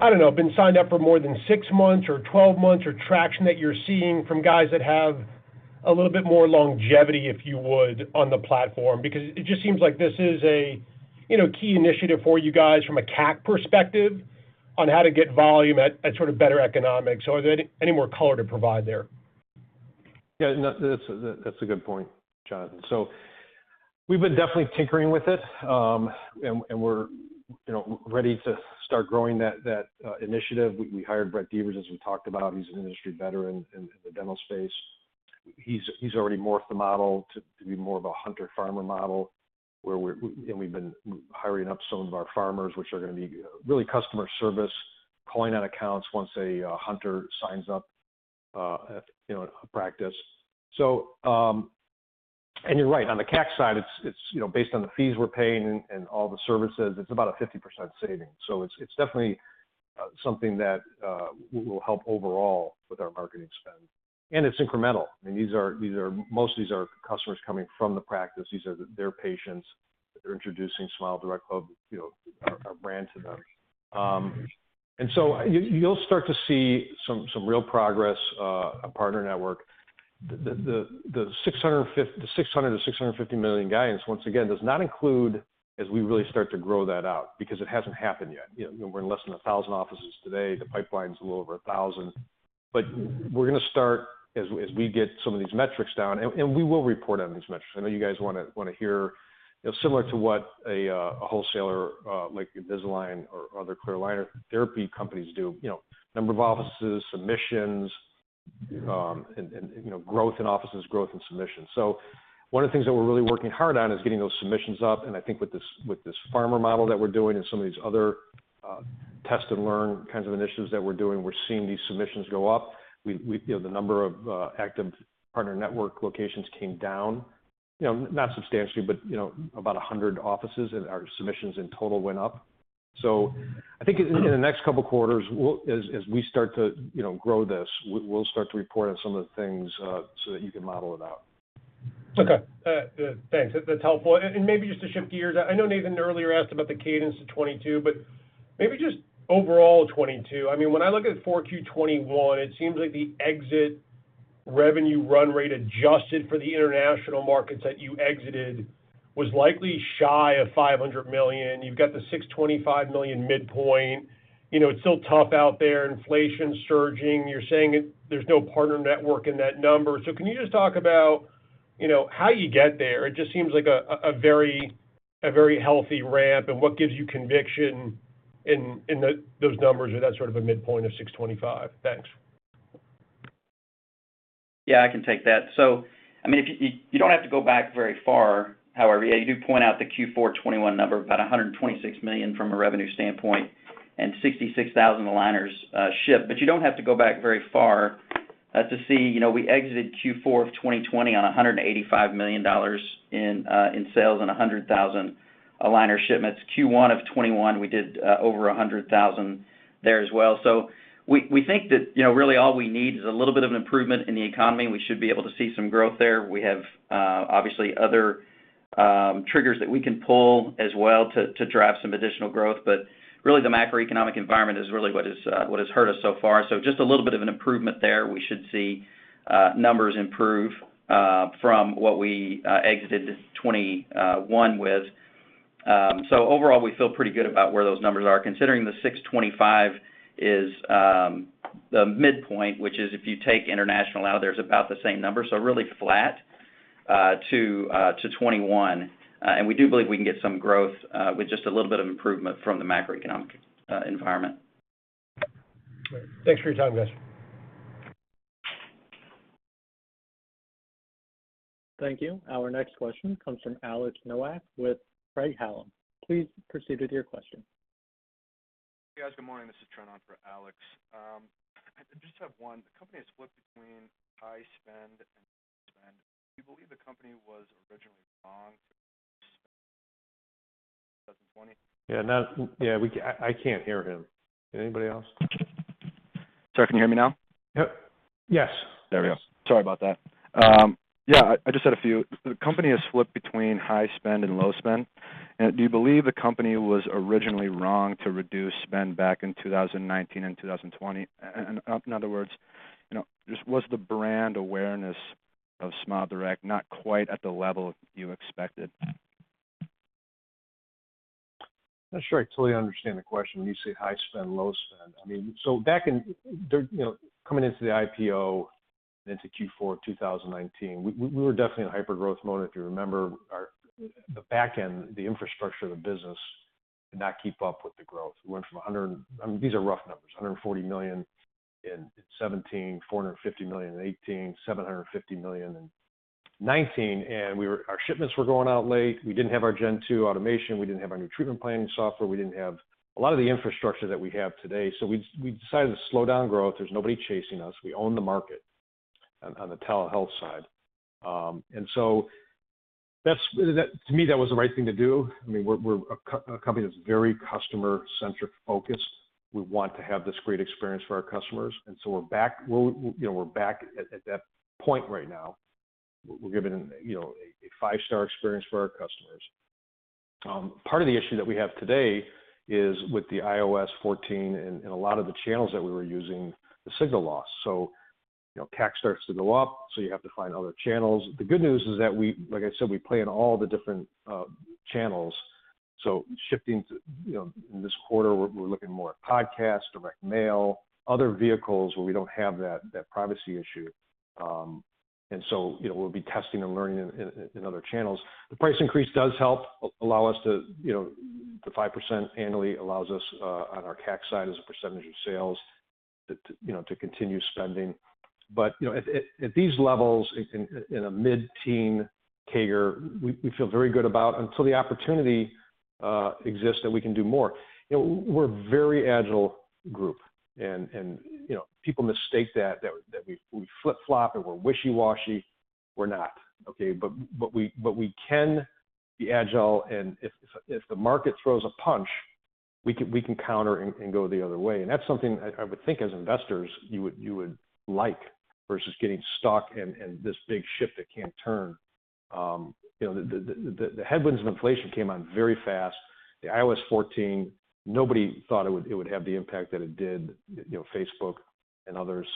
I don't know, been signed up for more than six months or 12 months, or traction that you're seeing from guys that have a little bit more longevity, if you would, on the platform? Because it just seems like this is a, you know, key initiative for you guys from a CAC perspective on how to get volume at sort of better economics. Are there any more color to provide there? Yeah, no, that's a good point, Jon. We've been definitely tinkering with it. We're you know ready to start growing that initiative. We hired Brett Deaver, as we talked about. He's an industry veteran in the dental space. He's already morphed the model to be more of a hunter-farmer model, where we're and we've been hiring up some of our farmers, which are gonna be really customer service, calling on accounts once a hunter signs up, you know, a practice. You're right. On the CAC side, it's you know based on the fees we're paying and all the services, it's about a 50% saving. It's definitely something that will help overall with our marketing spend. It's incremental. I mean, these are, these are— Most of these are customers coming from the practice. These are their patients. They're introducing SmileDirectClub, you know, our brand to them. You'll start to see some real progress on Partner Network. The $600 million-$650 million guidance, once again, does not include as we really start to grow that out because it hasn't happened yet. You know, we're in less than 1,000 offices today. The pipeline's a little over 1,000. We're gonna start as we get some of these metrics down, and we will report on these metrics. I know you guys wanna hear, you know, similar to what a wholesaler like Invisalign or other clear aligner therapy companies do. You know, number of offices, submissions, and you know, growth in offices, growth in submissions. One of the things that we're really working hard on is getting those submissions up, and I think with this partner model that we're doing and some of these other test and learn kinds of initiatives that we're doing, we're seeing these submissions go up. You know, the number of active Partner Network locations came down, you know, not substantially, but, you know, about 100 offices, and our submissions in total went up. I think in the next couple quarters, we'll, as we start to, you know, grow this, we'll start to report on some of the things, so that you can model it out. Okay. Thanks. That's helpful. Maybe just to shift gears. I know Nathan earlier asked about the cadence of 2022, but maybe just overall 2022. I mean, when I look at 4Q 2021, it seems like the exit revenue run rate adjusted for the international markets that you exited was likely shy of $500 million. You've got the $625 million midpoint. You know, it's still tough out there. Inflation's surging. You're saying it, there's no partner network in that number. So can you just talk about, you know, how you get there? It just seems like a very healthy ramp, and what gives you conviction in those numbers or that sort of a midpoint of $625 million? Thanks. Yeah, I can take that. I mean, if you don't have to go back very far. However, yeah, you do point out the Q4 2021 number, about $126 million from a revenue standpoint and 66,000 aligners shipped. But you don't have to go back very far to see we exited Q4 of 2020 on $185 million in sales and 100,000 aligner shipments. Q1 of 2021, we did over 100,000 there as well. We think that really all we need is a little bit of an improvement in the economy, and we should be able to see some growth there. We have obviously other triggers that we can pull as well to drive some additional growth. Really the macroeconomic environment is really what has hurt us so far. Just a little bit of an improvement there, we should see numbers improve from what we exited 2021 with. Overall, we feel pretty good about where those numbers are considering the $625 million is the midpoint, which is if you take international out, there's about the same number, so really flat to 2021. We do believe we can get some growth with just a little bit of improvement from the macroeconomic environment. Thanks for your time, guys. Thank you. Our next question comes from Alex Nowak with Craig-Hallum. Please proceed with your question. Yes, good morning. This is Trent on for Alex. I just have one. The company has flipped between high spend and low spend. Do you believe the company was originally <audio distortion> I can't hear him. Can anybody else? Sorry, can you hear me now? Yep. Yes. There we go. Sorry about that. Yeah, I just had a few. The company has flipped between high spend and low spend. Do you believe the company was originally wrong to reduce spend back in 2019 and 2020? In other words, you know, just was the brand awareness of SmileDirect not quite at the level you expected? I'm not sure I totally understand the question when you say high spend, low spend. I mean, back in, you know, coming into the IPO and into Q4 of 2019, we were definitely in a hyper-growth mode, if you remember. The back end, the infrastructure of the business could not keep up with the growth. We went from, these are rough numbers, $140 million in 2017, $450 million in 2018, $750 million in 2019. Our shipments were going out late. We didn't have our Gen 2 automation. We didn't have our new treatment planning software. We didn't have— a lot of the infrastructure that we have today. We decided to slow down growth. There's nobody chasing us. We own the market on the telehealth side. To me, that was the right thing to do. I mean, we're a company that's very customer-centric focused. We want to have this great experience for our customers, and so we're back at that point right now. You know, we're giving a five-star experience for our customers. Part of the issue that we have today is with the iOS 14 and a lot of the channels that we were using, the signal loss. You know, CAC starts to go up, so you have to find other channels. The good news is that we, like I said, we play in all the different channels, so shifting to, you know, in this quarter, we're looking more at podcasts, direct mail, other vehicles where we don't have that privacy issue. You know, we'll be testing and learning in other channels. The price increase does help allow us to, you know, the 5% annually allows us on our CAC side as a percentage of sales to, you know, to continue spending. But, you know, at these levels in a mid-teen CAGR, we feel very good about until the opportunity exists that we can do more. You know, we're a very agile group and, you know, people mistake that we flip-flop and we're wishy-washy. We're not, okay? We can be agile, and if the market throws a punch, we can counter and go the other way, and that's something I would think as investors you would like versus getting stuck in this big ship that can't turn. You know, the headwinds of inflation came on very fast. iOS 14, nobody thought it would have the impact that it did, you know, Facebook and others.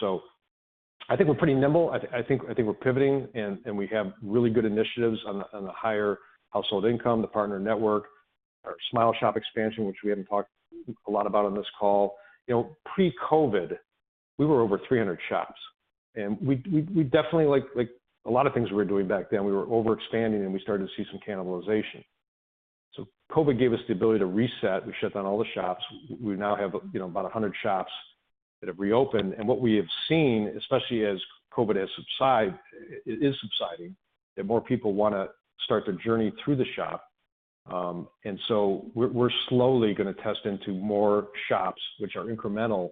I think we're pretty nimble. I think we're pivoting, and we have really good initiatives on the higher household income, the Partner Network, our SmileShop expansion, which we haven't talked a lot about on this call. You know, pre-COVID, we were over 300 shops, and we definitely like a lot of things we were doing back then, we were overexpanding, and we started to see some cannibalization. COVID gave us the ability to reset. We shut down all the shops. We now have, you know, about 100 shops that have reopened. What we have seen, especially as COVID is subsiding, is that more people wanna start their journey through the shop. We're slowly gonna test into more shops which are incremental.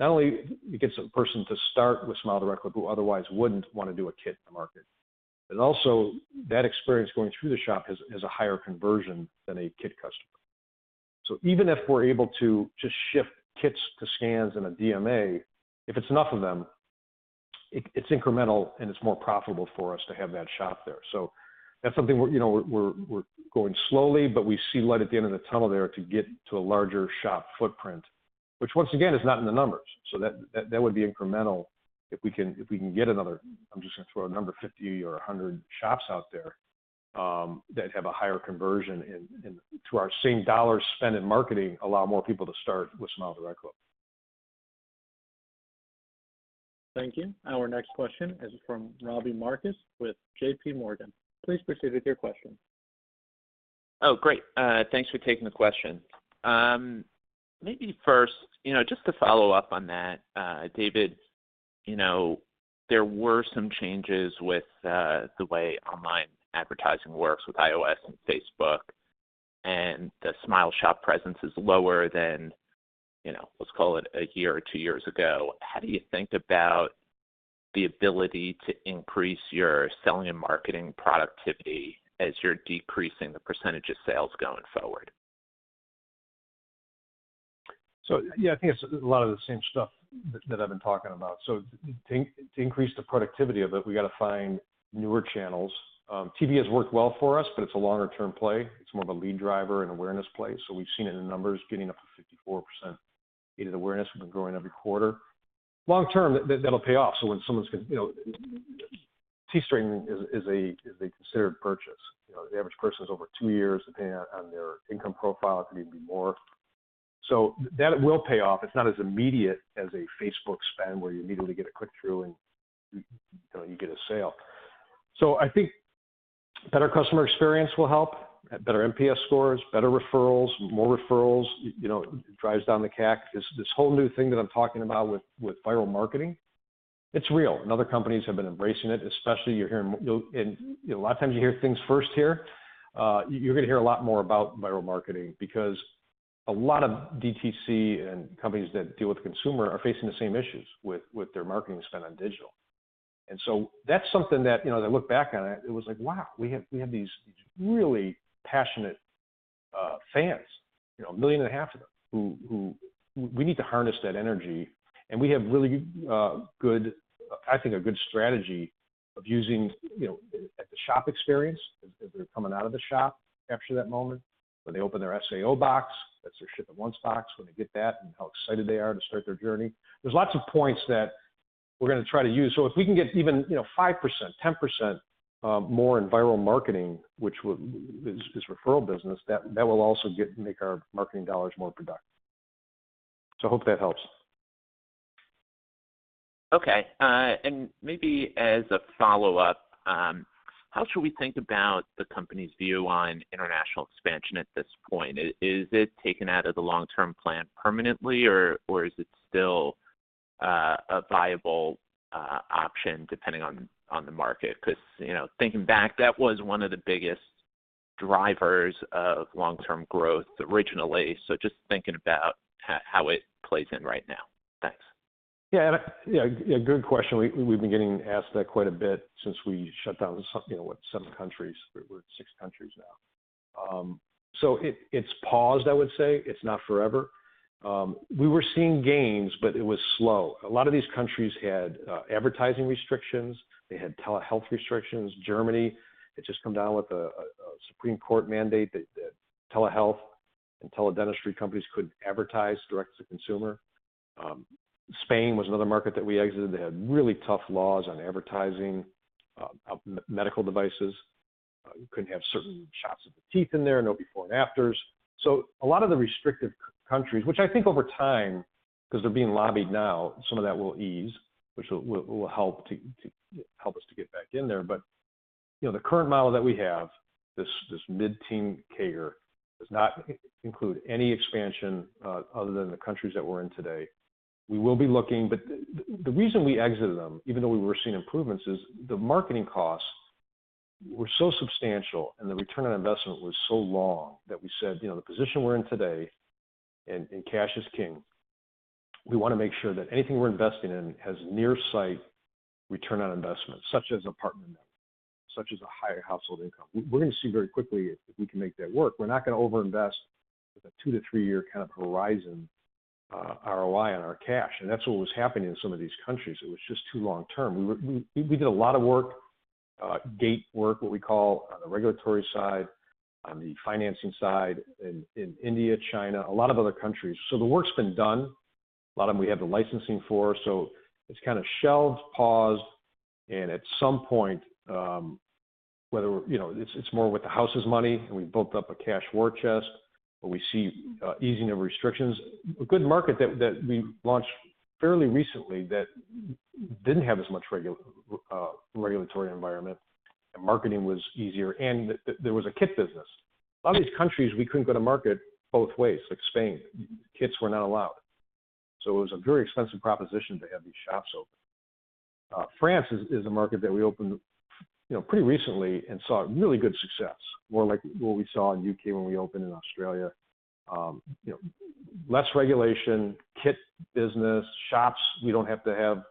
Not only it gets a person to start with SmileDirectClub who otherwise wouldn't want to do a kit in the market, but also that experience going through the shop has a higher conversion than a kit customer. Even if we're able to just shift kits to scans in a DMA, if it's enough of them, it's incremental, and it's more profitable for us to have that shop there. That's something we're, you know, going slowly, but we see light at the end of the tunnel there to get to a larger shop footprint, which once again is not in the numbers. That would be incremental if we can get another. I'm just gonna throw a number, 50 or 100 shops out there that have a higher conversion and, to our same dollars spent in marketing, allow more people to start with SmileDirectClub. Thank you. Our next question is from Robbie Marcus with JPMorgan. Please proceed with your question. Oh, great. Thanks for taking the question. Maybe first, you know, just to follow up on that, David, you know, there were some changes with the way online advertising works with iOS and Facebook, and the SmileShop presence is lower than, you know, let's call it a year or two years ago. How do you think about the ability to increase your selling and marketing productivity as you're decreasing the percentage of sales going forward? Yeah, I think it's a lot of the same stuff that I've been talking about. To increase the productivity of it, we gotta find newer channels. TV has worked well for us, but it's a longer term play. It's more of a lead driver and awareness play. We've seen it in numbers getting up to 54% aided awareness. We've been growing every quarter. Long term, that'll pay off. When someone's gonna, you know, teeth straightening is a considered purchase. You know, the average person is over two years, depending on their income profile, it could even be more. That will pay off. It's not as immediate as a Facebook spend where you immediately get a click-through and, you know, you get a sale. I think better customer experience will help, better NPS scores, better referrals, more referrals, you know, drives down the CAC. This whole new thing that I'm talking about with viral marketing, it's real, and other companies have been embracing it, especially you're hearing, you know, a lot of times you hear things first here, you're gonna hear a lot more about viral marketing because a lot of DTC and companies that deal with consumer are facing the same issues with their marketing spend on digital. That's something that, you know, they look back on it was like, "Wow, we have these really passionate fans, you know, 1.5 million of them, who..." We need to harness that energy, and we have really good, I think, a good strategy of using, you know, the shop experience as they're coming out of the shop after that moment, when they open their SIO box, that's their Ship in One box, when they get that and how excited they are to start their journey. There's lots of points that we're gonna try to use. So if we can get even, you know, 5%, 10% more in viral marketing, which is referral business, that will also make our marketing dollars more productive. So I hope that helps. Okay. Maybe as a follow-up, how should we think about the company's view on international expansion at this point? Is it taken out of the long-term plan permanently, or is it still a viable option depending on the market? 'Cause, you know, thinking back, that was one of the biggest drivers of long-term growth originally. Just thinking about how it plays in right now. Thanks. Yeah, good question. We've been getting asked that quite a bit since we shut down some seven countries. We're at six countries now. It's paused, I would say. It's not forever. We were seeing gains, but it was slow. A lot of these countries had advertising restrictions. They had telehealth restrictions. Germany had just come down with a Supreme Court mandate that telehealth and teledentistry companies couldn't advertise direct to consumer. Spain was another market that we exited. They had really tough laws on advertising medical devices. You couldn't have certain shots of the teeth in there, no before and afters. A lot of the restrictive countries, which I think over time, 'cause they're being lobbied now, some of that will ease, which will help us to get back in there. You know, the current model that we have, this mid-teen CAGR does not include any expansion, other than the countries that we're in today. We will be looking. The reason we exited them, even though we were seeing improvements, is the marketing costs were so substantial and the return on investment was so long that we said, "You know, the position we're in today and cash is king, we wanna make sure that anything we're investing in has near-sight return on investment, such as a partner member, such as a higher household income." We're gonna see very quickly if we can make that work. We're not gonna overinvest with a two- to three-year-kind of horizon, ROI on our cash, and that's what was happening in some of these countries. It was just too long term. We did a lot of work, gate work, what we call, on the regulatory side, on the financing side in India, China, a lot of other countries. The work's been done. A lot of them we have the licensing for. It's kind of shelved, paused, and at some point, whether it's more with the house's money and we've built up a cash war chest, or we see easing of restrictions. A good market that we launched fairly recently that didn't have as much regulatory environment and marketing was easier, and there was a kit business. A lot of these countries, we couldn't go to market both ways, like Spain. Kits were not allowed. It was a very expensive proposition to have these shops open. France is a market that we opened, you know, pretty recently and saw really good success, more like what we saw in U.K. when we opened, in Australia, you know, less regulation, kit business, shops, we don't have to have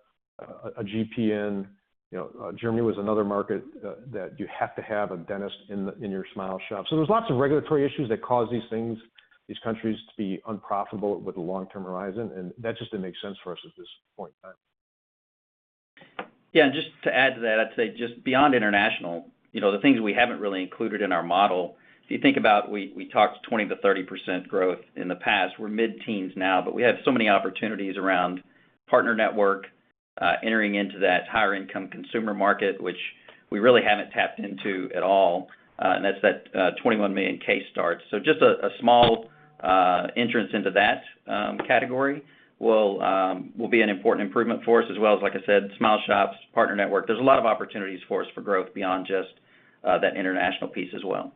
a GP in. You know, Germany was another market that you have to have a dentist in your SmileShop. There's lots of regulatory issues that cause these things, these countries to be unprofitable with a long-term horizon, and that just didn't make sense for us at this point in time. Just to add to that, I'd say just beyond international, you know, the things we haven't really included in our model. If you think about, we talked 20%-30% growth in the past. We're mid-teens now, but we have so many opportunities around Partner Network, entering into that higher income consumer market, which we really haven't tapped into at all. And that's that, 21 million case starts. So just a small entrance into that category will be an important improvement for us as well as, like I said, SmileShops, Partner Network. There's a lot of opportunities for us for growth beyond just that international piece as well.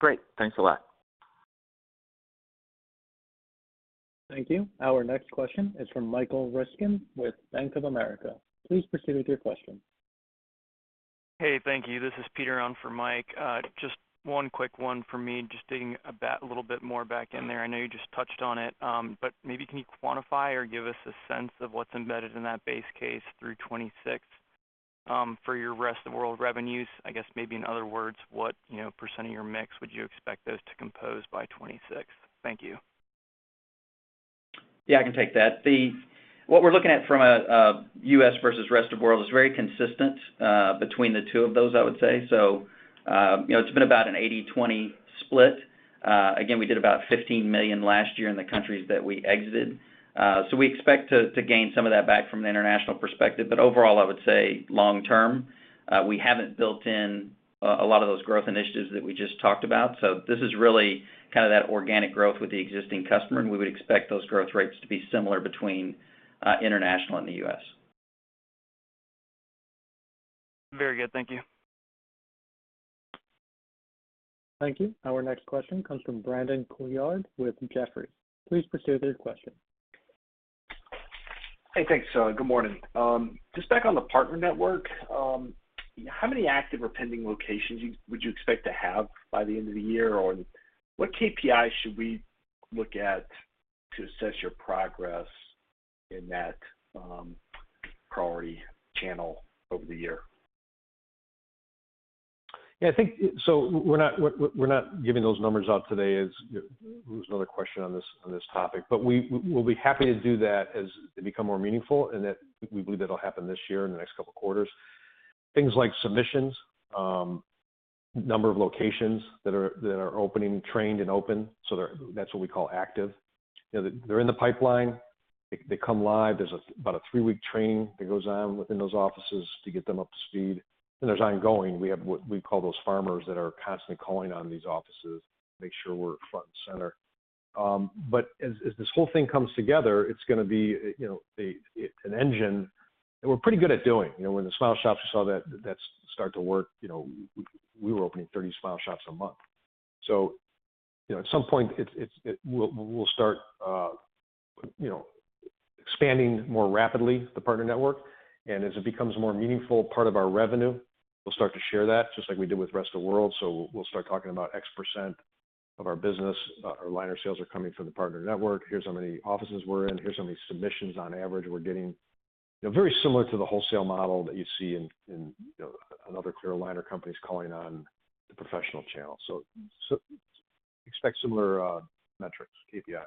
Great. Thanks a lot. Thank you. Our next question is from Michael Ryskin with Bank of America. Please proceed with your question. Hey, thank you. This is Peter on for Mike. Just one quick one for me. Just digging a little bit more back in there. I know you just touched on it, but maybe can you quantify or give us a sense of what's embedded in that base case through 2026 for your rest-of-world revenues? I guess maybe in other words, what, you know, percent of your mix would you expect those to compose by 2026? Thank you. Yeah, I can take that. What we're looking at from a U.S. versus rest-of-world is very consistent between the two of those, I would say. You know, it's been about an 80-20 split. Again, we did about $15 million last year in the countries that we exited. We expect to gain some of that back from an international perspective. Overall, I would say long term, we haven't built in a lot of those growth initiatives that we just talked about. This is really kind of that organic growth with the existing customer, and we would expect those growth rates to be similar between international and the U.S. Very good. Thank you. Thank you. Our next question comes from Brandon Couillard with Jefferies. Please proceed with your question. Hey, thanks. Good morning. Just back on the Partner Network, how many active or pending locations would you expect to have by the end of the year? Or what KPI should we look at to assess your progress in that priority channel over the year? Yeah, I think so we're not giving those numbers out today as there was another question on this topic. We'll be happy to do that as they become more meaningful, and that we believe that'll happen this year in the next couple of quarters. Things like submissions, number of locations that are opening, trained and open, so they're active. That's what we call active. You know, they're in the pipeline. They come live. There's about a three-week training that goes on within those offices to get them up to speed. And there's ongoing. We have what we call those farmers that are constantly calling on these offices, make sure we're front and center. As this whole thing comes together, it's gonna be, you know, an engine that we're pretty good at doing. You know, when the SmileShops you saw that start to work. You know, we were opening 30 SmileShops a month. You know, at some point, we'll start expanding more rapidly the Partner Network, and as it becomes a more meaningful part of our revenue, we'll start to share that, just like we did with rest-of-world. We'll start talking about X percent of our business. Our aligner sales are coming from the Partner Network. Here's how many offices we're in. Here's how many submissions on average we're getting. You know, very similar to the wholesale model that you see in other clear aligner companies calling on the professional channel. Expect similar metrics, KPIs.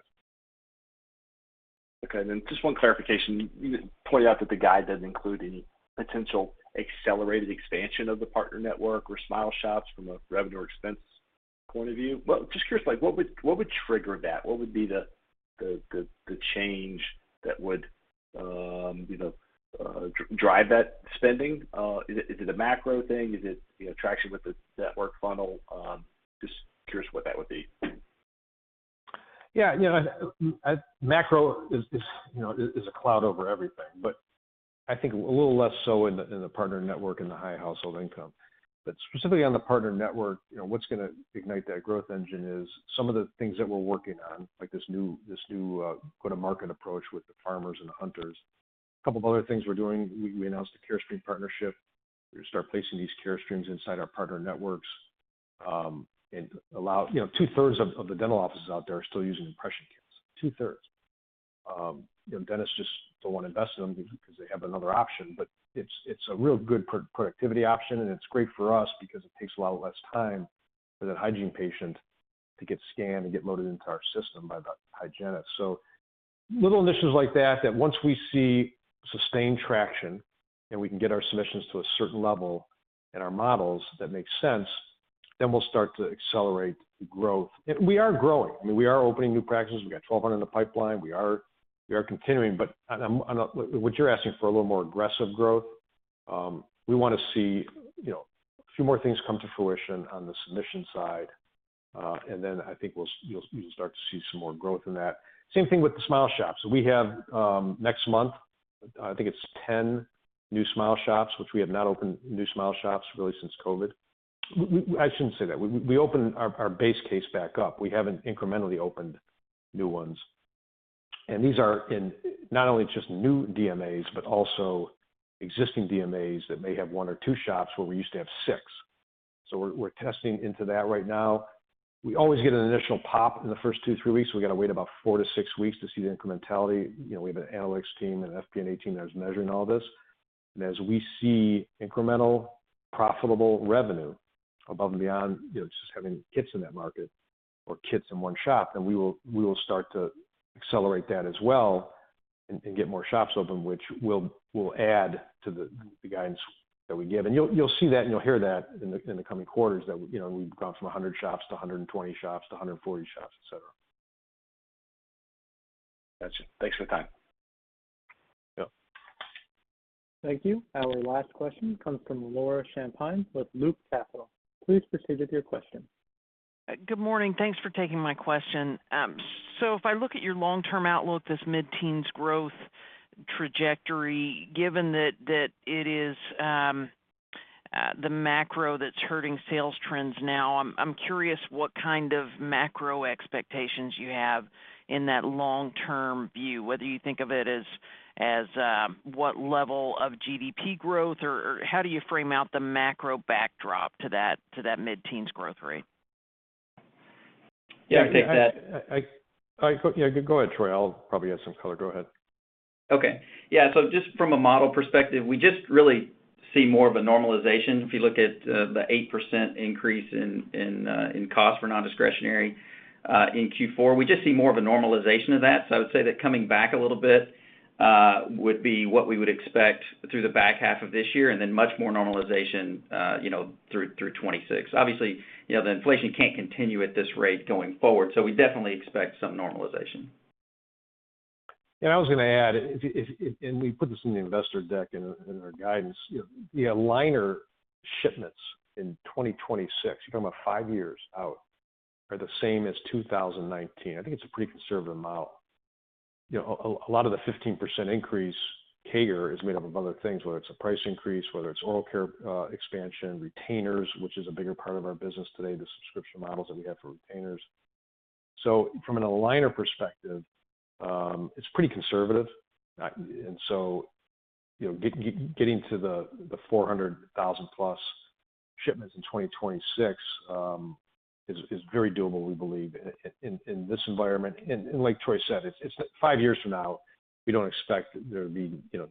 Okay. Just one clarification. You pointed out that the guide doesn't include any potential accelerated expansion of the partner network or SmileShops from a revenue or expense point of view. Just curious, like what would trigger that? What would be the change that would, you know, drive that spending? Is it a macro thing? Is it, you know, traction with the network funnel? Just curious what that would be? Yeah. You know, macro is, you know, is a cloud over everything, but I think a little less so in the partner network and the high-household income. Specifically on the partner network, you know, what's gonna ignite that growth engine is some of the things that we're working on, like this new go-to-market approach with the farmers and the hunters. A couple of other things we're doing, we announced a Carestream partnership. We're gonna start placing these Carestreams inside our partner networks and allow. You know, 2/3 of the dental offices out there are still using impression kits. 2/3. You know, dentists just don't wanna invest in them because they have another option. It's a real good productivity option, and it's great for us because it takes a lot less time for that hygiene patient to get scanned and get loaded into our system by the hygienist. Little initiatives like that once we see sustained traction and we can get our submissions to a certain level in our models that makes sense, then we'll start to accelerate the growth. We are growing. I mean, we are opening new practices. We got 1,200 in the pipeline. We are continuing. What you're asking for, a little more aggressive growth, we wanna see, you know, a few more things come to fruition on the submission side, and then I think you'll start to see some more growth in that. Same thing with the SmileShops. We have next month, I think it's 10 new SmileShops, which we have not opened new SmileShops really since COVID. I shouldn't say that. We opened our base case back up. We haven't incrementally opened new ones. These are in not only just new DMAs, but also existing DMAs that may have one or two shops where we used to have six. We're testing into that right now. We always get an initial pop in the first two, three weeks. We got to wait about four to six weeks to see the incrementality. You know, we have an analytics team, an FP&A team that's measuring all this. As we see incremental profitable revenue above and beyond, you know, just having kits in that market or kits in one shop, then we will start to accelerate that as well and get more shops open, which will add to the guidance that we give. You'll see that, and you'll hear that in the coming quarters that, you know, we've gone from 100 shops to 120 shops to 140 shops, et cetera. Gotcha. Thanks for the time. Yep. Thank you. Our last question comes from Laura Champine with Loop Capital. Please proceed with your question. Good morning. Thanks for taking my question. If I look at your long-term outlook, this mid-teens growth trajectory, given that it is the macro that's hurting sales trends now, I'm curious what kind of macro expectations you have in that long-term view, whether you think of it as what level of GDP growth or how do you frame out the macro backdrop to that mid-teens growth rate? Yeah, I'll take that. Yeah, go ahead, Troy. I'll probably add some color. Go ahead. Okay. Yeah, just from a model perspective, we just really see more of a normalization. If you look at the 8% increase in cost for non-discretionary in Q4, we just see more of a normalization of that. I would say that coming back a little bit would be what we would expect through the back half of this year and then much more normalization, you know, through 2026. Obviously, you know, the inflation can't continue at this rate going forward. We definitely expect some normalization. I was gonna add, and we put this in the investor deck in our guidance. You know, the aligner shipments in 2026, you're talking about five years out, are the same as 2019. I think it's a pretty conservative model. You know, a lot of the 15% increase CAGR is made up of other things, whether it's a price increase, whether it's oral care expansion, retainers, which is a bigger part of our business today, the subscription models that we have for retainers. From an aligner perspective, it's pretty conservative. You know, getting to the 400,000+ shipments in 2026 is very doable, we believe, in this environment. Like Troy said, five years from now, we don't expect there to be, you know,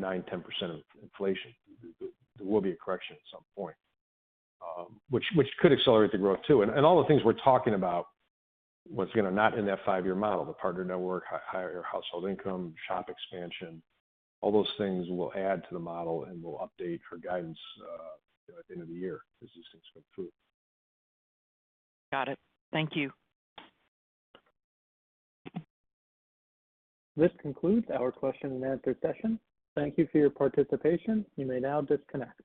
9%, 10% inflation. There will be a correction at some point, which could accelerate the growth too. All the things we're talking about was, you know, not in that five-year model, the partner network, higher household income, shop expansion. All those things will add to the model, and we'll update our guidance at the end of the year as these things come through. Got it. Thank you. This concludes our question-and-answer session. Thank you for your participation. You may now disconnect.